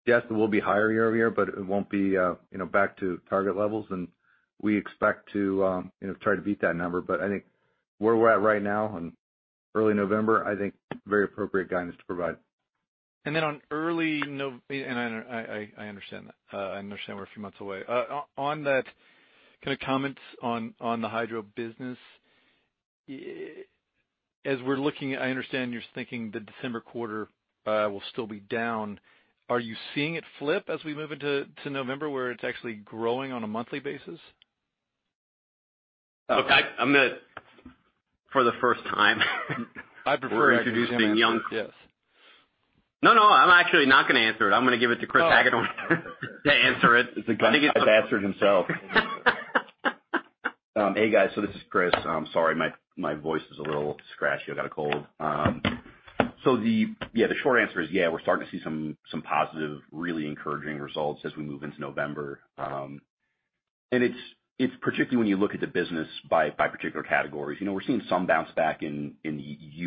Yes, it will be higher year-over-year, but it won't be back to target levels, and we expect to try to beat that number. I think where we're at right now in early November, I think very appropriate guidance to provide. Then on early Nov- and I understand that. I understand we're a few months away. On that kind of comments on the hydro business, as we're looking, I understand you're thinking the December quarter will still be down. Are you seeing it flip as we move into November where it's actually growing on a monthly basis? Look, I'm going to, for the first time I prefer actually being young. Yes. No, I'm actually not going to answer it. I'm going to give it to Chris Hagedorn to answer it. It's a guy who has answered himself. Hey, guys. This is Chris. Sorry, my voice is a little scratchy. I got a cold. The short answer is, yeah, we're starting to see some positive, really encouraging results as we move into November. It's particularly when you look at the business by particular categories. We're seeing some bounce back in the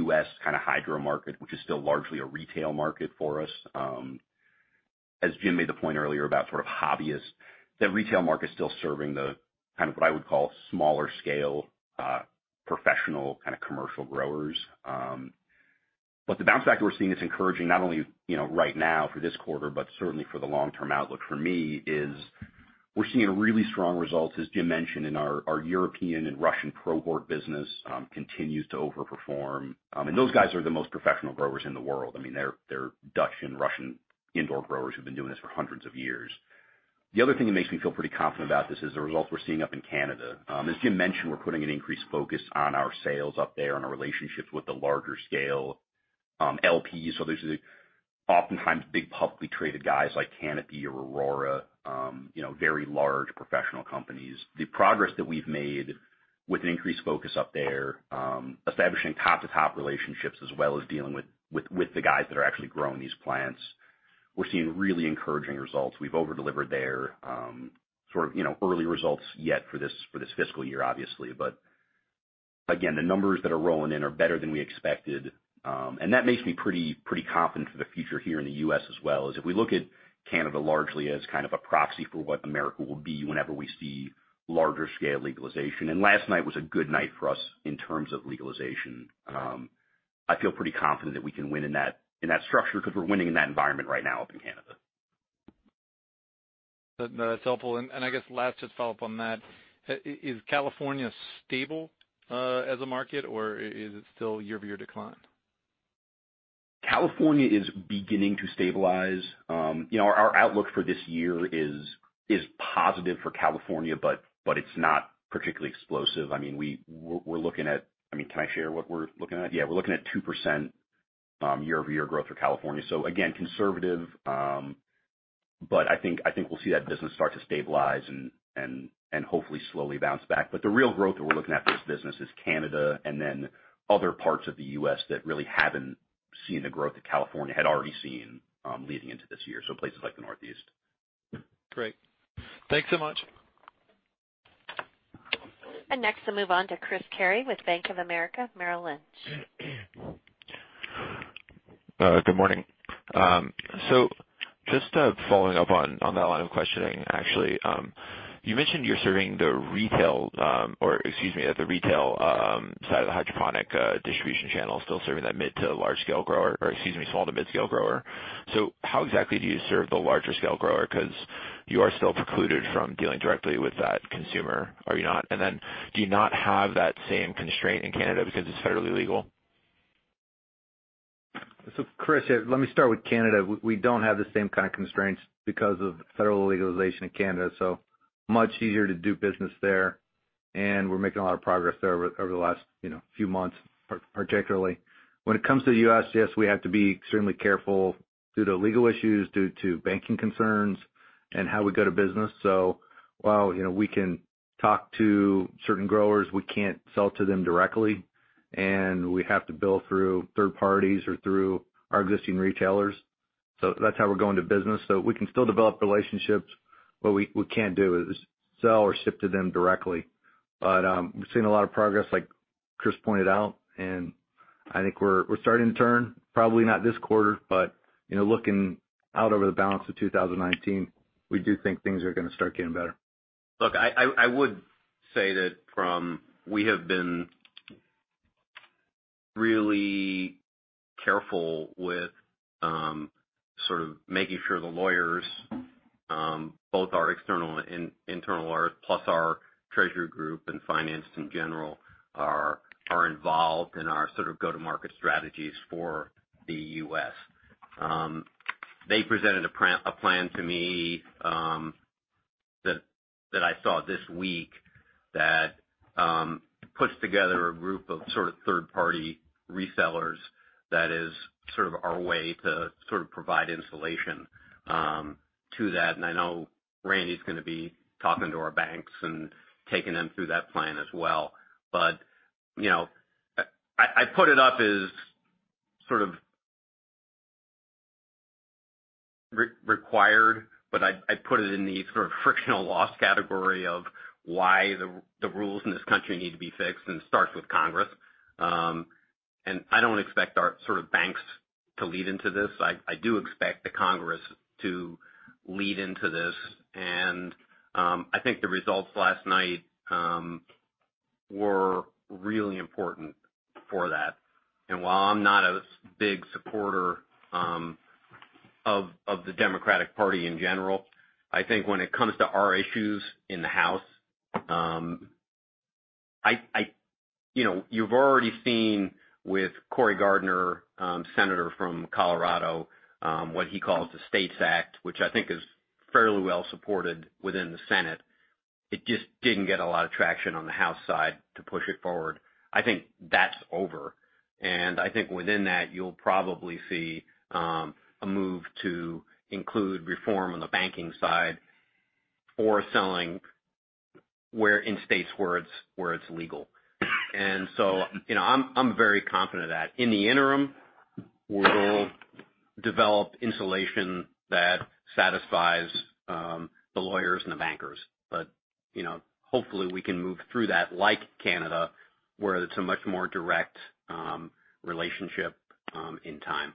U.S. kind of hydro market, which is still largely a retail market for us. As Jim made the point earlier about sort of hobbyists, that retail market's still serving the, kind of what I would call smaller scale, professional kind of commercial growers. The bounce back that we're seeing is encouraging not only right now for this quarter, but certainly for the long-term outlook for me is we're seeing really strong results, as Jim mentioned in our European and Russian pro hort business, continues to overperform. Those guys are the most professional growers in the world. They're Dutch and Russian indoor growers who've been doing this for hundreds of years. The other thing that makes me feel pretty confident about this is the results we're seeing up in Canada. As Jim mentioned, we're putting an increased focus on our sales up there and our relationships with the larger scale LPs. Those are the oftentimes big publicly traded guys like Canopy or Aurora, very large professional companies. The progress that we've made with an increased focus up there, establishing top-to-top relationships, as well as dealing with the guys that are actually growing these plants. We're seeing really encouraging results. We've over-delivered there, sort of early results yet for this fiscal year, obviously, but again, the numbers that are rolling in are better than we expected. That makes me pretty confident for the future here in the U.S. as well, is if we look at Canada largely as kind of a proxy for what America will be whenever we see larger scale legalization. Last night was a good night for us in terms of legalization. I feel pretty confident that we can win in that structure because we're winning in that environment right now up in Canada. That's helpful. I guess last, just follow up on that. Is California stable as a market, or is it still year-over-year decline? California is beginning to stabilize. Our outlook for this year is positive for California, but it's not particularly explosive. We're looking at Can I share what we're looking at? Yeah. We're looking at 2% year-over-year growth for California. Again, conservative, but I think we'll see that business start to stabilize and hopefully slowly bounce back. The real growth that we're looking at for this business is Canada and then other parts of the U.S. that really haven't seen the growth that California had already seen leading into this year, so places like the Northeast. Great. Thanks so much. Next we'll move on to Chris Carey with Bank of America Merrill Lynch. Good morning. Just following up on that line of questioning, actually. You mentioned you're serving the retail, or excuse me, at the retail side of the hydroponic distribution channel, still serving that mid to large scale grower, or excuse me, small to mid scale grower. How exactly do you serve the larger scale grower? Because you are still precluded from dealing directly with that consumer. Are you not? Do you not have that same constraint in Canada because it's federally legal? Chris, let me start with Canada. We don't have the same kind of constraints because of federal legalization in Canada, much easier to do business there, and we're making a lot of progress there over the last few months, particularly. When it comes to the U.S., yes, we have to be extremely careful due to legal issues, due to banking concerns and how we go to business. While we can talk to certain growers, we can't sell to them directly, and we have to bill through third parties or through our existing retailers. That's how we're going to business. We can still develop relationships. What we can't do is sell or ship to them directly. We've seen a lot of progress, like Chris pointed out, and I think we're starting to turn, probably not this quarter, but looking out over the balance of 2019, we do think things are going to start getting better. Look, I would say that we have been really careful with sort of making sure the lawyers, both our external and internal lawyers, plus our treasury group and finance in general, are involved in our sort of go-to-market strategies for the U.S. They presented a plan to me that I saw this week that puts together a group of sort of third-party resellers that is sort of our way to sort of provide insulation to that. I know Randy's going to be talking to our banks and taking them through that plan as well. I put it up as sort of required, but I put it in the sort of frictional loss category of why the rules in this country need to be fixed and starts with Congress. I don't expect our sort of banks to lead into this. I do expect the Congress to lead into this, and I think the results last night Were really important for that. While I'm not a big supporter of the Democratic Party in general, I think when it comes to our issues in the House, you've already seen with Cory Gardner, Senator from Colorado, what he calls the STATES Act, which I think is fairly well supported within the Senate. It just didn't get a lot of traction on the House side to push it forward. I think that's over, and I think within that, you'll probably see a move to include reform on the banking side, or selling in states where it's legal. I'm very confident of that. In the interim, we'll develop insulation that satisfies the lawyers and the bankers. Hopefully we can move through that, like Canada, where it's a much more direct relationship in time.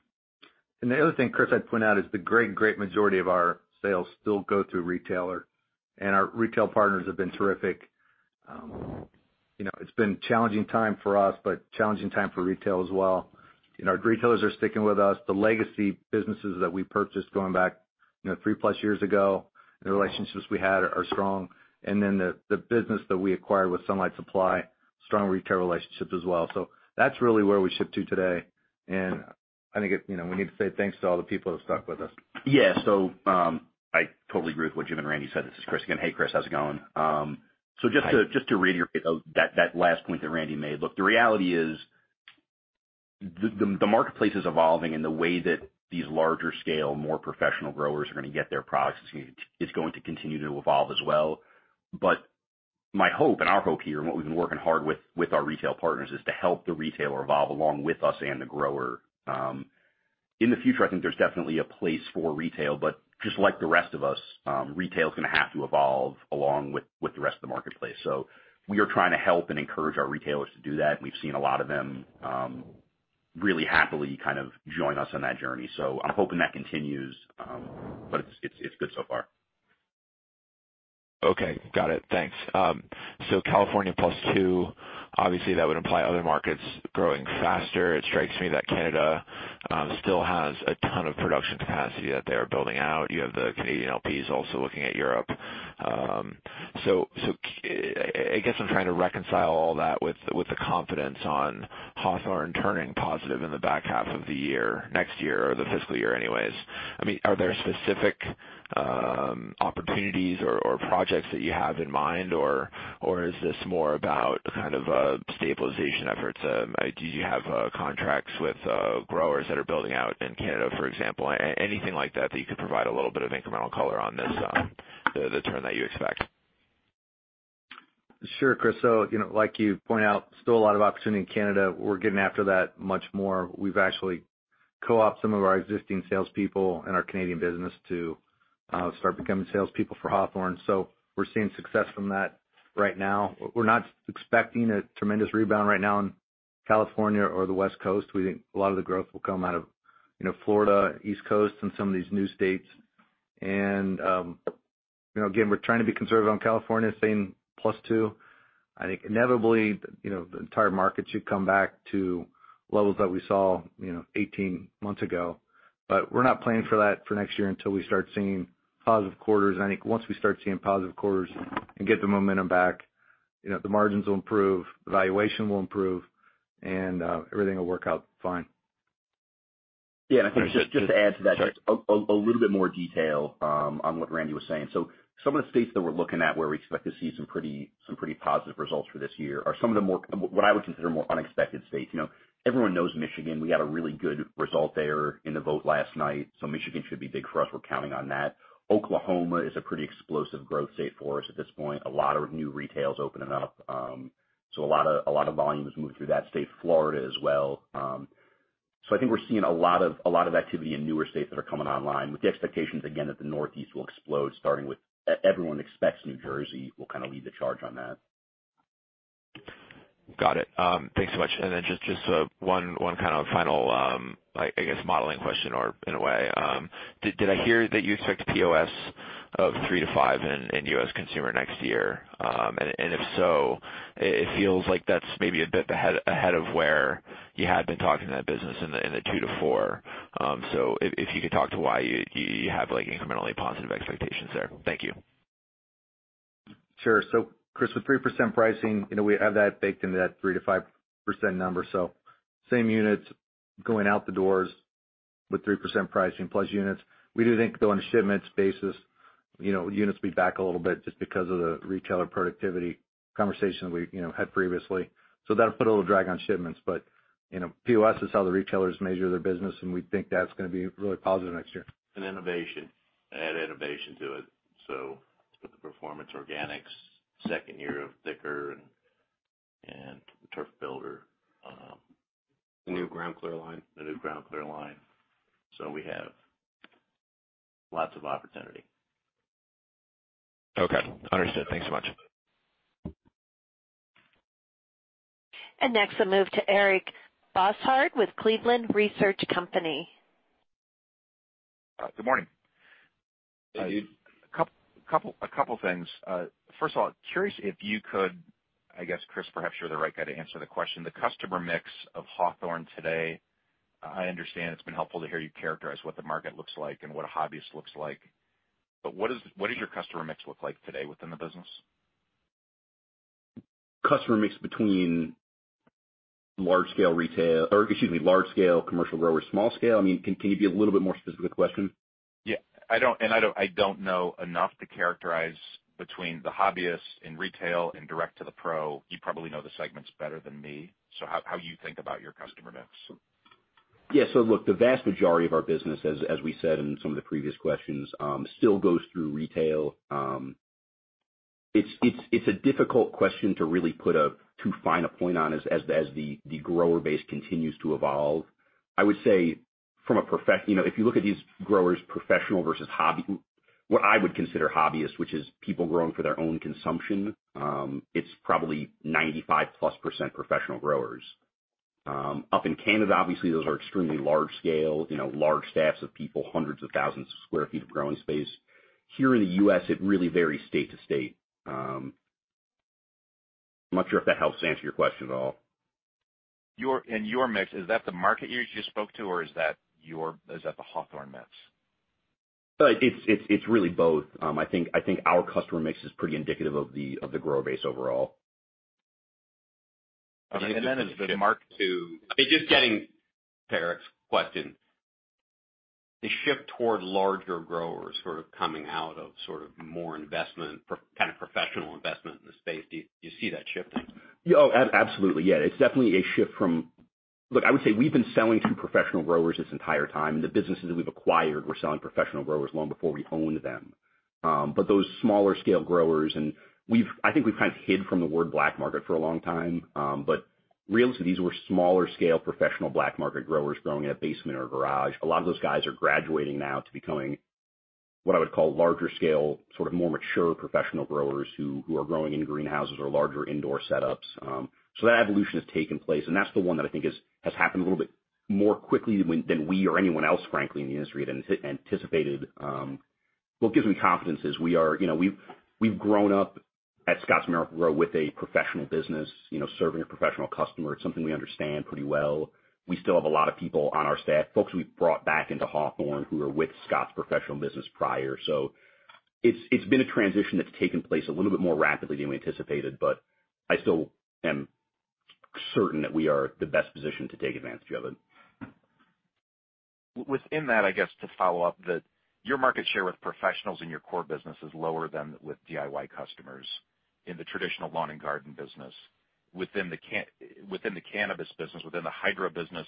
The other thing, Chris, I'd point out is the great majority of our sales still go through retailer. Our retail partners have been terrific. It's been a challenging time for us, but a challenging time for retail as well. Our retailers are sticking with us. The legacy businesses that we purchased going back three-plus years ago, the relationships we had are strong. The business that we acquired with Sunlight Supply, strong retail relationships as well. That's really where we ship to today, and I think we need to say thanks to all the people that stuck with us. Yeah. I totally agree with what Jim and Randy said. This is Chris again. Hey, Chris, how's it going? Just to reiterate that last point that Randy made. Look, the reality is, the marketplace is evolving in the way that these larger scale, more professional growers are going to get their products. It's going to continue to evolve as well. My hope and our hope here, and what we've been working hard with our retail partners, is to help the retailer evolve along with us and the grower. In the future, I think there's definitely a place for retail, but just like the rest of us, retail is going to have to evolve along with the rest of the marketplace. We are trying to help and encourage our retailers to do that, and we've seen a lot of them really happily join us on that journey. I'm hoping that continues. It's good so far. Okay, got it. Thanks. California +2%, obviously that would imply other markets growing faster. It strikes me that Canada still has a ton of production capacity that they are building out. You have the Canadian LPs also looking at Europe. I guess I'm trying to reconcile all that with the confidence on Hawthorne turning positive in the back half of the year, next year or the fiscal year anyways. Are there specific opportunities or projects that you have in mind, or is this more about kind of stabilization efforts? Do you have contracts with growers that are building out in Canada, for example? Anything like that you could provide a little bit of incremental color on this, the turn that you expect? Sure, Chris. Like you point out, still a lot of opportunity in Canada. We're getting after that much more. We've actually co-opted some of our existing salespeople in our Canadian business to start becoming salespeople for Hawthorne. We're seeing success from that right now. We're not expecting a tremendous rebound right now in California or the West Coast. We think a lot of the growth will come out of Florida, East Coast, and some of these new states. Again, we're trying to be conservative on California, saying +2%. I think inevitably, the entire market should come back to levels that we saw 18 months ago. We're not planning for that for next year until we start seeing positive quarters. I think once we start seeing positive quarters and get the momentum back, the margins will improve, the valuation will improve, and everything will work out fine. I think just to add to that, just a little bit more detail on what Randy was saying. Some of the states that we're looking at where we expect to see some pretty positive results for this year are some of the, what I would consider more unexpected states. Everyone knows Michigan. We had a really good result there in the vote last night, so Michigan should be big for us. We're counting on that. Oklahoma is a pretty explosive growth state for us at this point. A lot of new retails opening up, so a lot of volume is moved through that state. Florida as well. I think we're seeing a lot of activity in newer states that are coming online with the expectations, again, that the Northeast will explode, starting with everyone expects New Jersey will kind of lead the charge on that. Got it. Thanks so much. Just one kind of final, I guess, modeling question or in a way. Did I hear that you expect POS of 3% to 5% in U.S. consumer next year? If so, it feels like that's maybe a bit ahead of where you had been talking to that business in the 2% to 4%. If you could talk to why you have incrementally positive expectations there. Thank you. Sure. Chris, with 3% pricing, we have that baked into that 3% to 5% number. Same units going out the doors with 3% pricing plus units. We do think though on a shipments basis, units will be back a little bit just because of the retailer productivity conversation we had previously. That'll put a little drag on shipments. POS is how the retailers measure their business, and we think that's going to be really positive next year. Innovation. Add innovation to it. With the Performance Organics, second year of Thick'R Lawn and Turf Builder. The new GroundClear line. The new GroundClear line. We have lots of opportunity. Okay, understood. Thanks so much. Next, we'll move to Eric Bosshard with Cleveland Research Company. Good morning. Hey, you. A couple things. First of all, curious if you could I guess, Chris, perhaps you're the right guy to answer the question. The customer mix of Hawthorne today, I understand it's been helpful to hear you characterize what the market looks like and what a hobbyist looks like. What does your customer mix look like today within the business? Customer mix between large scale retail, large scale commercial grower, small scale? Can you be a little bit more specific with the question? Yeah. I don't know enough to characterize between the hobbyists in retail and direct to the pro. You probably know the segments better than me. How you think about your customer mix? Yeah. Look, the vast majority of our business, as we said in some of the previous questions, still goes through retail. It's a difficult question to really put a too fine a point on, as the grower base continues to evolve. I would say from a If you look at these growers, professional versus what I would consider hobbyist, which is people growing for their own consumption, it's probably 95%+ professional growers. Up in Canada, obviously, those are extremely large scale, large staffs of people, hundreds of thousands of square feet of growing space. Here in the U.S., it really varies state to state. I'm not sure if that helps answer your question at all. In your mix, is that the market you just spoke to, or is that the Hawthorne mix? It's really both. I think our customer mix is pretty indicative of the grower base overall. If the market Just getting to Eric's question, the shift toward larger growers sort of coming out of more investment, kind of professional investment in the space. Do you see that shifting? Oh, absolutely, yeah. It's definitely a shift from Look, I would say we've been selling to professional growers this entire time. The businesses we've acquired were selling professional growers long before we owned them. Those smaller scale growers, and I think we've kind of hid from the word black market for a long time. Real estate, these were smaller scale professional black market growers growing in a basement or a garage. A lot of those guys are graduating now to becoming what I would call larger scale, sort of more mature professional growers who are growing in greenhouses or larger indoor setups. That evolution has taken place, and that's the one that I think has happened a little bit more quickly than we or anyone else, frankly, in the industry had anticipated. What gives me confidence is we've grown up at The Scotts Miracle-Gro Company with a professional business, serving a professional customer. It's something we understand pretty well. We still have a lot of people on our staff, folks we've brought back into Hawthorne, who were with Scotts professional business prior. It's been a transition that's taken place a little bit more rapidly than we anticipated, but I still am certain that we are the best positioned to take advantage of it. Within that, I guess, to follow up, that your market share with professionals in your core business is lower than with DIY customers in the traditional lawn and garden business. Within the cannabis business, within the hydro business,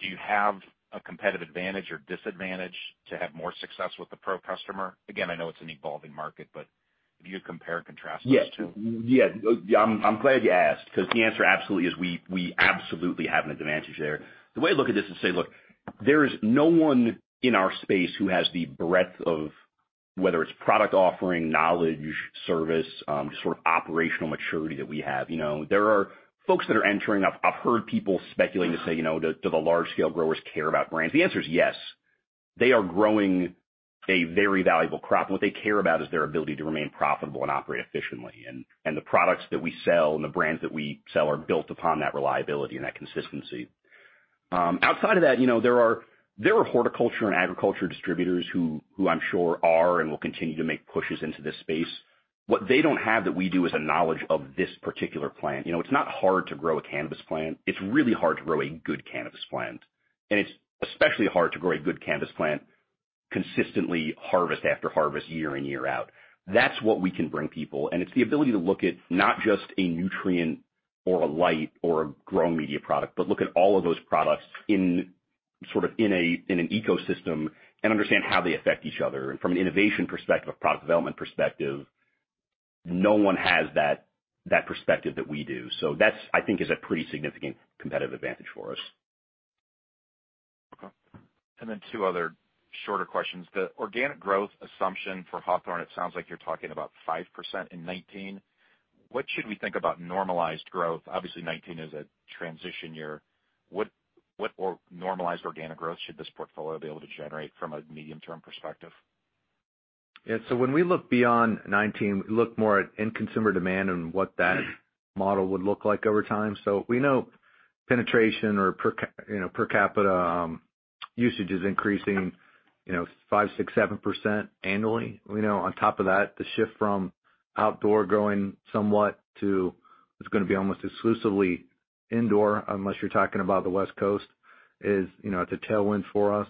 do you have a competitive advantage or disadvantage to have more success with the pro customer? Again, I know it's an evolving market, but if you could compare and contrast those two. Yeah. I'm glad you asked, because the answer absolutely is we absolutely have an advantage there. The way I look at this is say, look, there is no one in our space who has the breadth of whether it's product offering, knowledge, service, just sort of operational maturity that we have. There are folks that are entering. I've heard people speculating to say, do the large-scale growers care about brands? The answer is yes. They are growing a very valuable crop, and what they care about is their ability to remain profitable and operate efficiently. The products that we sell and the brands that we sell are built upon that reliability and that consistency. Outside of that, there are horticulture and agriculture distributors who I'm sure are and will continue to make pushes into this space. What they don't have that we do is a knowledge of this particular plant. It's not hard to grow a cannabis plant. It's really hard to grow a good cannabis plant. It's especially hard to grow a good cannabis plant consistently, harvest after harvest, year in, year out. That's what we can bring people, and it's the ability to look at not just a nutrient or a light or a growing media product, but look at all of those products in an ecosystem and understand how they affect each other. From an innovation perspective, a product development perspective, no one has that perspective that we do. That, I think, is a pretty significant competitive advantage for us. Okay. Then two other shorter questions. The organic growth assumption for Hawthorne, it sounds like you're talking about 5% in 2019. What should we think about normalized growth? Obviously 2019 is a transition year. What normalized organic growth should this portfolio be able to generate from a medium-term perspective? Yeah. When we look beyond 2019, we look more at end consumer demand and what that model would look like over time. We know penetration or per capita usage is increasing five, six, seven percent annually. We know on top of that, the shift from outdoor growing somewhat to it's going to be almost exclusively indoor, unless you're talking about the West Coast, is a tailwind for us.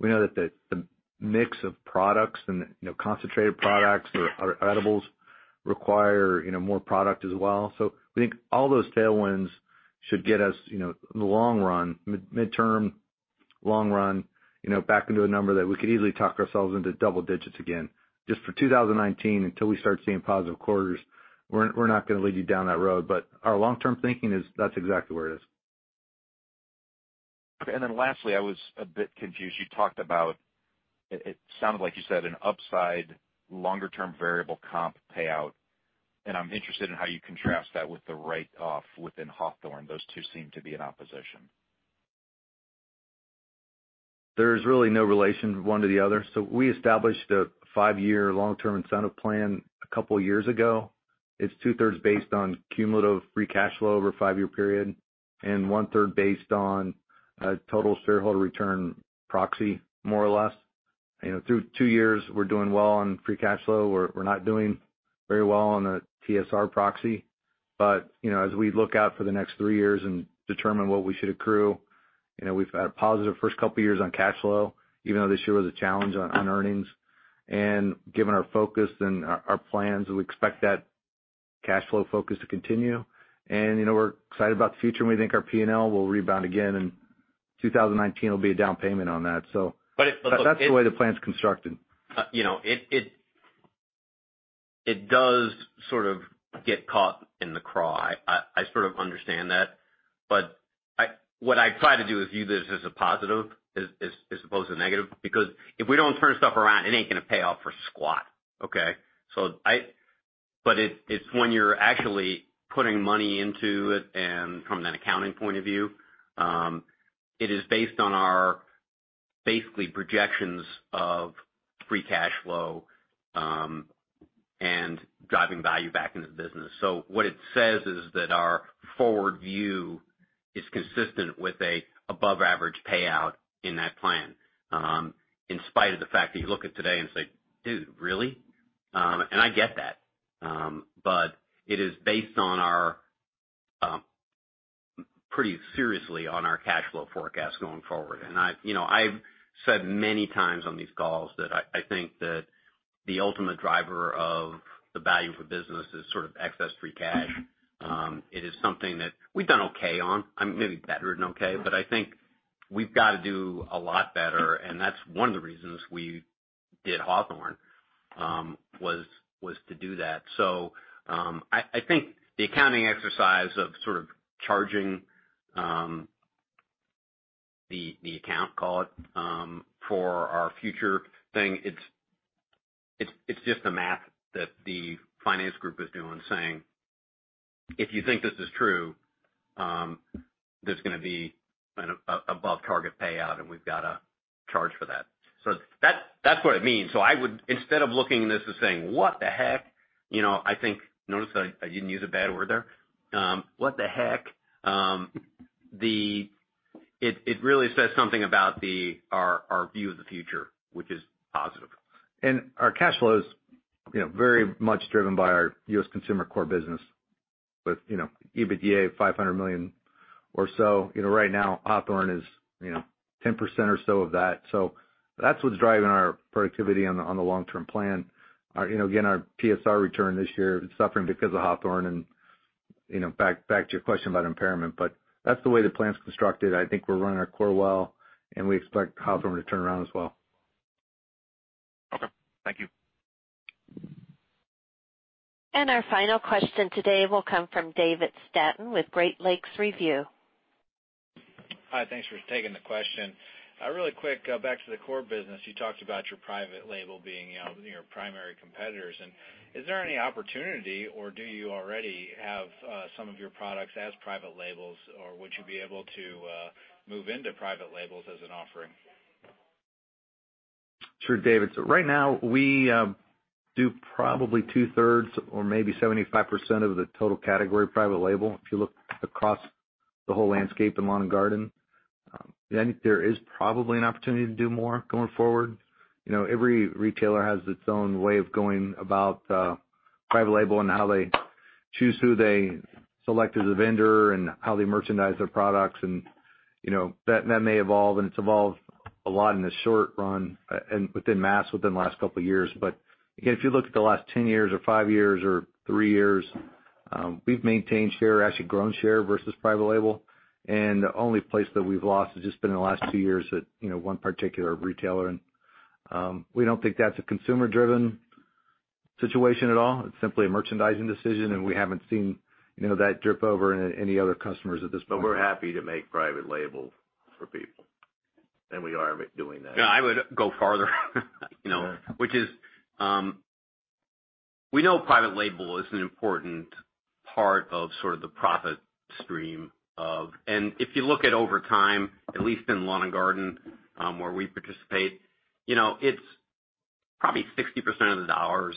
We know that the mix of products and concentrated products or edibles require more product as well. We think all those tailwinds should get us in the long-run, mid-term, long-run, back into a number that we could easily talk ourselves into double digits again. Just for 2019, until we start seeing positive quarters, we're not going to lead you down that road. Our long-term thinking is that's exactly where it is. Okay. Lastly, I was a bit confused. You talked about, it sounded like you said an upside longer-term variable comp payout I'm interested in how you contrast that with the write-off within Hawthorne. Those two seem to be in opposition. There's really no relation one to the other. We established a five-year long-term incentive plan a couple of years ago. It's two-thirds based on cumulative free cash flow over a five-year period, and one-third based on a total shareholder return proxy, more or less. Through two years, we're doing well on free cash flow. We're not doing very well on the TSR proxy. As we look out for the next three years and determine what we should accrue, we've had a positive first couple of years on cash flow, even though this year was a challenge on earnings. Given our focus and our plans, we expect that cash flow focus to continue. We're excited about the future, and we think our P&L will rebound again, and 2019 will be a down payment on that. That's the way the plan's constructed. It does sort of get caught in the craw. I sort of understand that. What I try to do is view this as a positive as opposed to a negative, because if we don't turn stuff around, it ain't gonna pay off for squat, okay? It's when you're actually putting money into it, and from an accounting point of view, it is based on our, basically, projections of free cash flow, and driving value back into the business. What it says is that our forward view is consistent with a above average payout in that plan, in spite of the fact that you look at today and say, "Dude, really?" I get that. It is based pretty seriously on our cash flow forecast going forward. I've said many times on these calls that I think that the ultimate driver of the value for business is sort of excess free cash. It is something that we've done okay on. Maybe better than okay. I think we've got to do a lot better, and that's one of the reasons we did Hawthorne, was to do that. I think the accounting exercise of sort of charging the account, call it, for our future thing, it's just the math that the finance group is doing, saying, "If you think this is true, there's gonna be an above target payout, and we've got to charge for that." That's what it means. Instead of looking at this and saying, "What the heck?" Notice I didn't use a bad word there. What the heck? It really says something about our view of the future, which is positive. Our cash flow is very much driven by our U.S. consumer core business with EBITDA of $500 million or so. Right now, Hawthorne is 10% or so of that. That's what's driving our productivity on the long-term plan. Again, our TSR return this year is suffering because of Hawthorne and back to your question about impairment. That's the way the plan's constructed. I think we're running our core well, and we expect Hawthorne to turn around as well. Okay. Thank you. Our final question today will come from David Staten with Great Lakes Review. Hi. Thanks for taking the question. Really quick, back to the core business, you talked about your private label being your primary competitors. Is there any opportunity, or do you already have some of your products as private labels, or would you be able to move into private labels as an offering? Sure, David. Right now, we do probably two-thirds or maybe 75% of the total category private label, if you look across the whole landscape in lawn and garden. I think there is probably an opportunity to do more going forward. Every retailer has its own way of going about private label and how they choose who they select as a vendor and how they merchandise their products. That may evolve, and it's evolved a lot in the short run and within mass within the last couple of years. Again, if you look at the last 10 years or five years or three years, we've maintained share, actually grown share versus private label. The only place that we've lost has just been in the last two years at one particular retailer. We don't think that's a consumer-driven situation at all. It's simply a merchandising decision, and we haven't seen that drip over into any other customers at this point. We're happy to make private label for people. We are doing that. Yeah, I would go farther, which is, we know private label is an important part of sort of the profit stream of. If you look at over time, at least in lawn and garden, where we participate, it's probably 60% of the dollars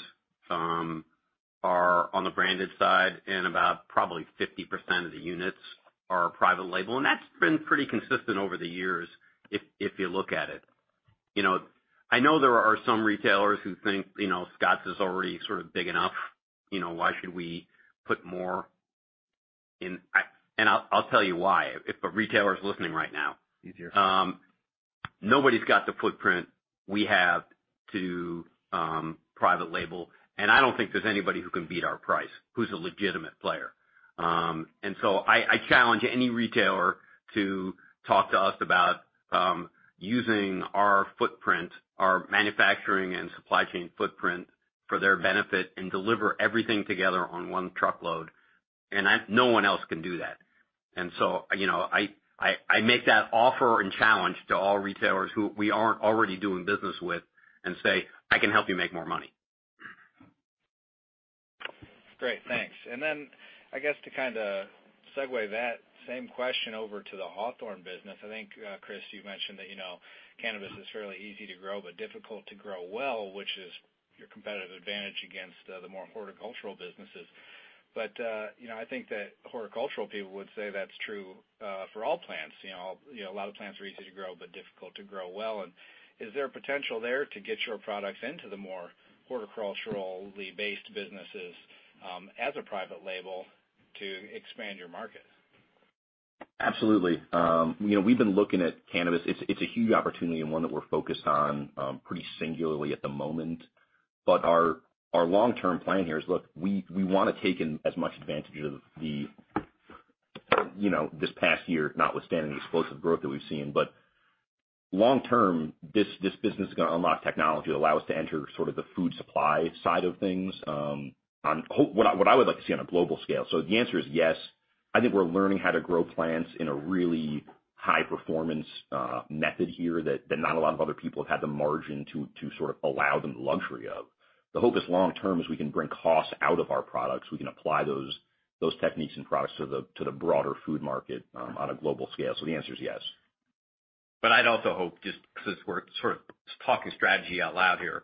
are on the branded side, and about probably 50% of the units are private label. That's been pretty consistent over the years if you look at it. I know there are some retailers who think Scotts is already sort of big enough. Why should we put more in? I'll tell you why. If a retailer's listening right now. He's here. Nobody's got the footprint we have to private label, and I don't think there's anybody who can beat our price who's a legitimate player. I challenge any retailer to talk to us about using our footprint, our manufacturing and supply chain footprint for their benefit and deliver everything together on one truckload. No one else can do that. I make that offer and challenge to all retailers who we aren't already doing business with and say, "I can help you make more money. Great, thanks. Then I guess to kind of segue that, same question over to the Hawthorne business. I think, Chris, you mentioned that cannabis is fairly easy to grow but difficult to grow well, which is your competitive advantage against the more horticultural businesses. I think that horticultural people would say that's true for all plants. A lot of plants are easy to grow but difficult to grow well. Is there potential there to get your products into the more horticulturally based businesses as a private label to expand your market? Absolutely. We've been looking at cannabis. It's a huge opportunity and one that we're focused on pretty singularly at the moment. Our long-term plan here is, look, we want to take in as much advantage of this past year, notwithstanding the explosive growth that we've seen. Long-term, this business is going to unlock technology that allow us to enter sort of the food supply side of things, on what I would like to see on a global scale. The answer is yes. I think we're learning how to grow plants in a really high-performance method here that not a lot of other people have had the margin to sort of allow them the luxury of. The hope is long-term is we can bring costs out of our products. We can apply those techniques and products to the broader food market on a global scale. The answer is yes. I'd also hope, just because we're sort of talking strategy out loud here,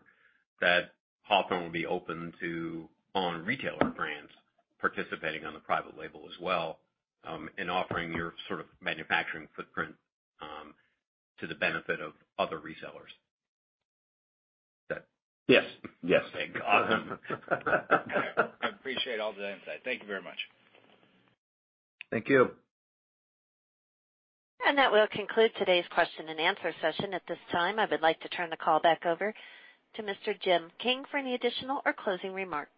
that Hawthorne will be open to own retailer brands participating on the private label as well, and offering your sort of manufacturing footprint to the benefit of other resellers. Yes. Thank God. I appreciate all the insight. Thank you very much. Thank you. That will conclude today's question and answer session. At this time, I would like to turn the call back over to Mr. Jim King for any additional or closing remarks.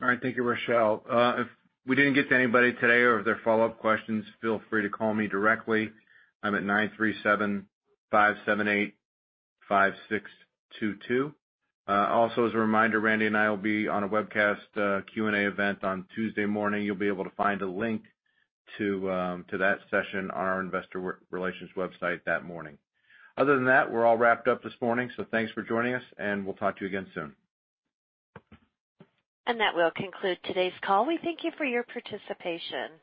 All right. Thank you, Rochelle. If we didn't get to anybody today or if there are follow-up questions, feel free to call me directly. I'm at nine three seven five seven eight five six two two. Also, as a reminder, Randy and I will be on a webcast Q&A event on Tuesday morning. You'll be able to find a link to that session on our investor relations website that morning. Other than that, we're all wrapped up this morning, so thanks for joining us and we'll talk to you again soon. That will conclude today's call. We thank you for your participation.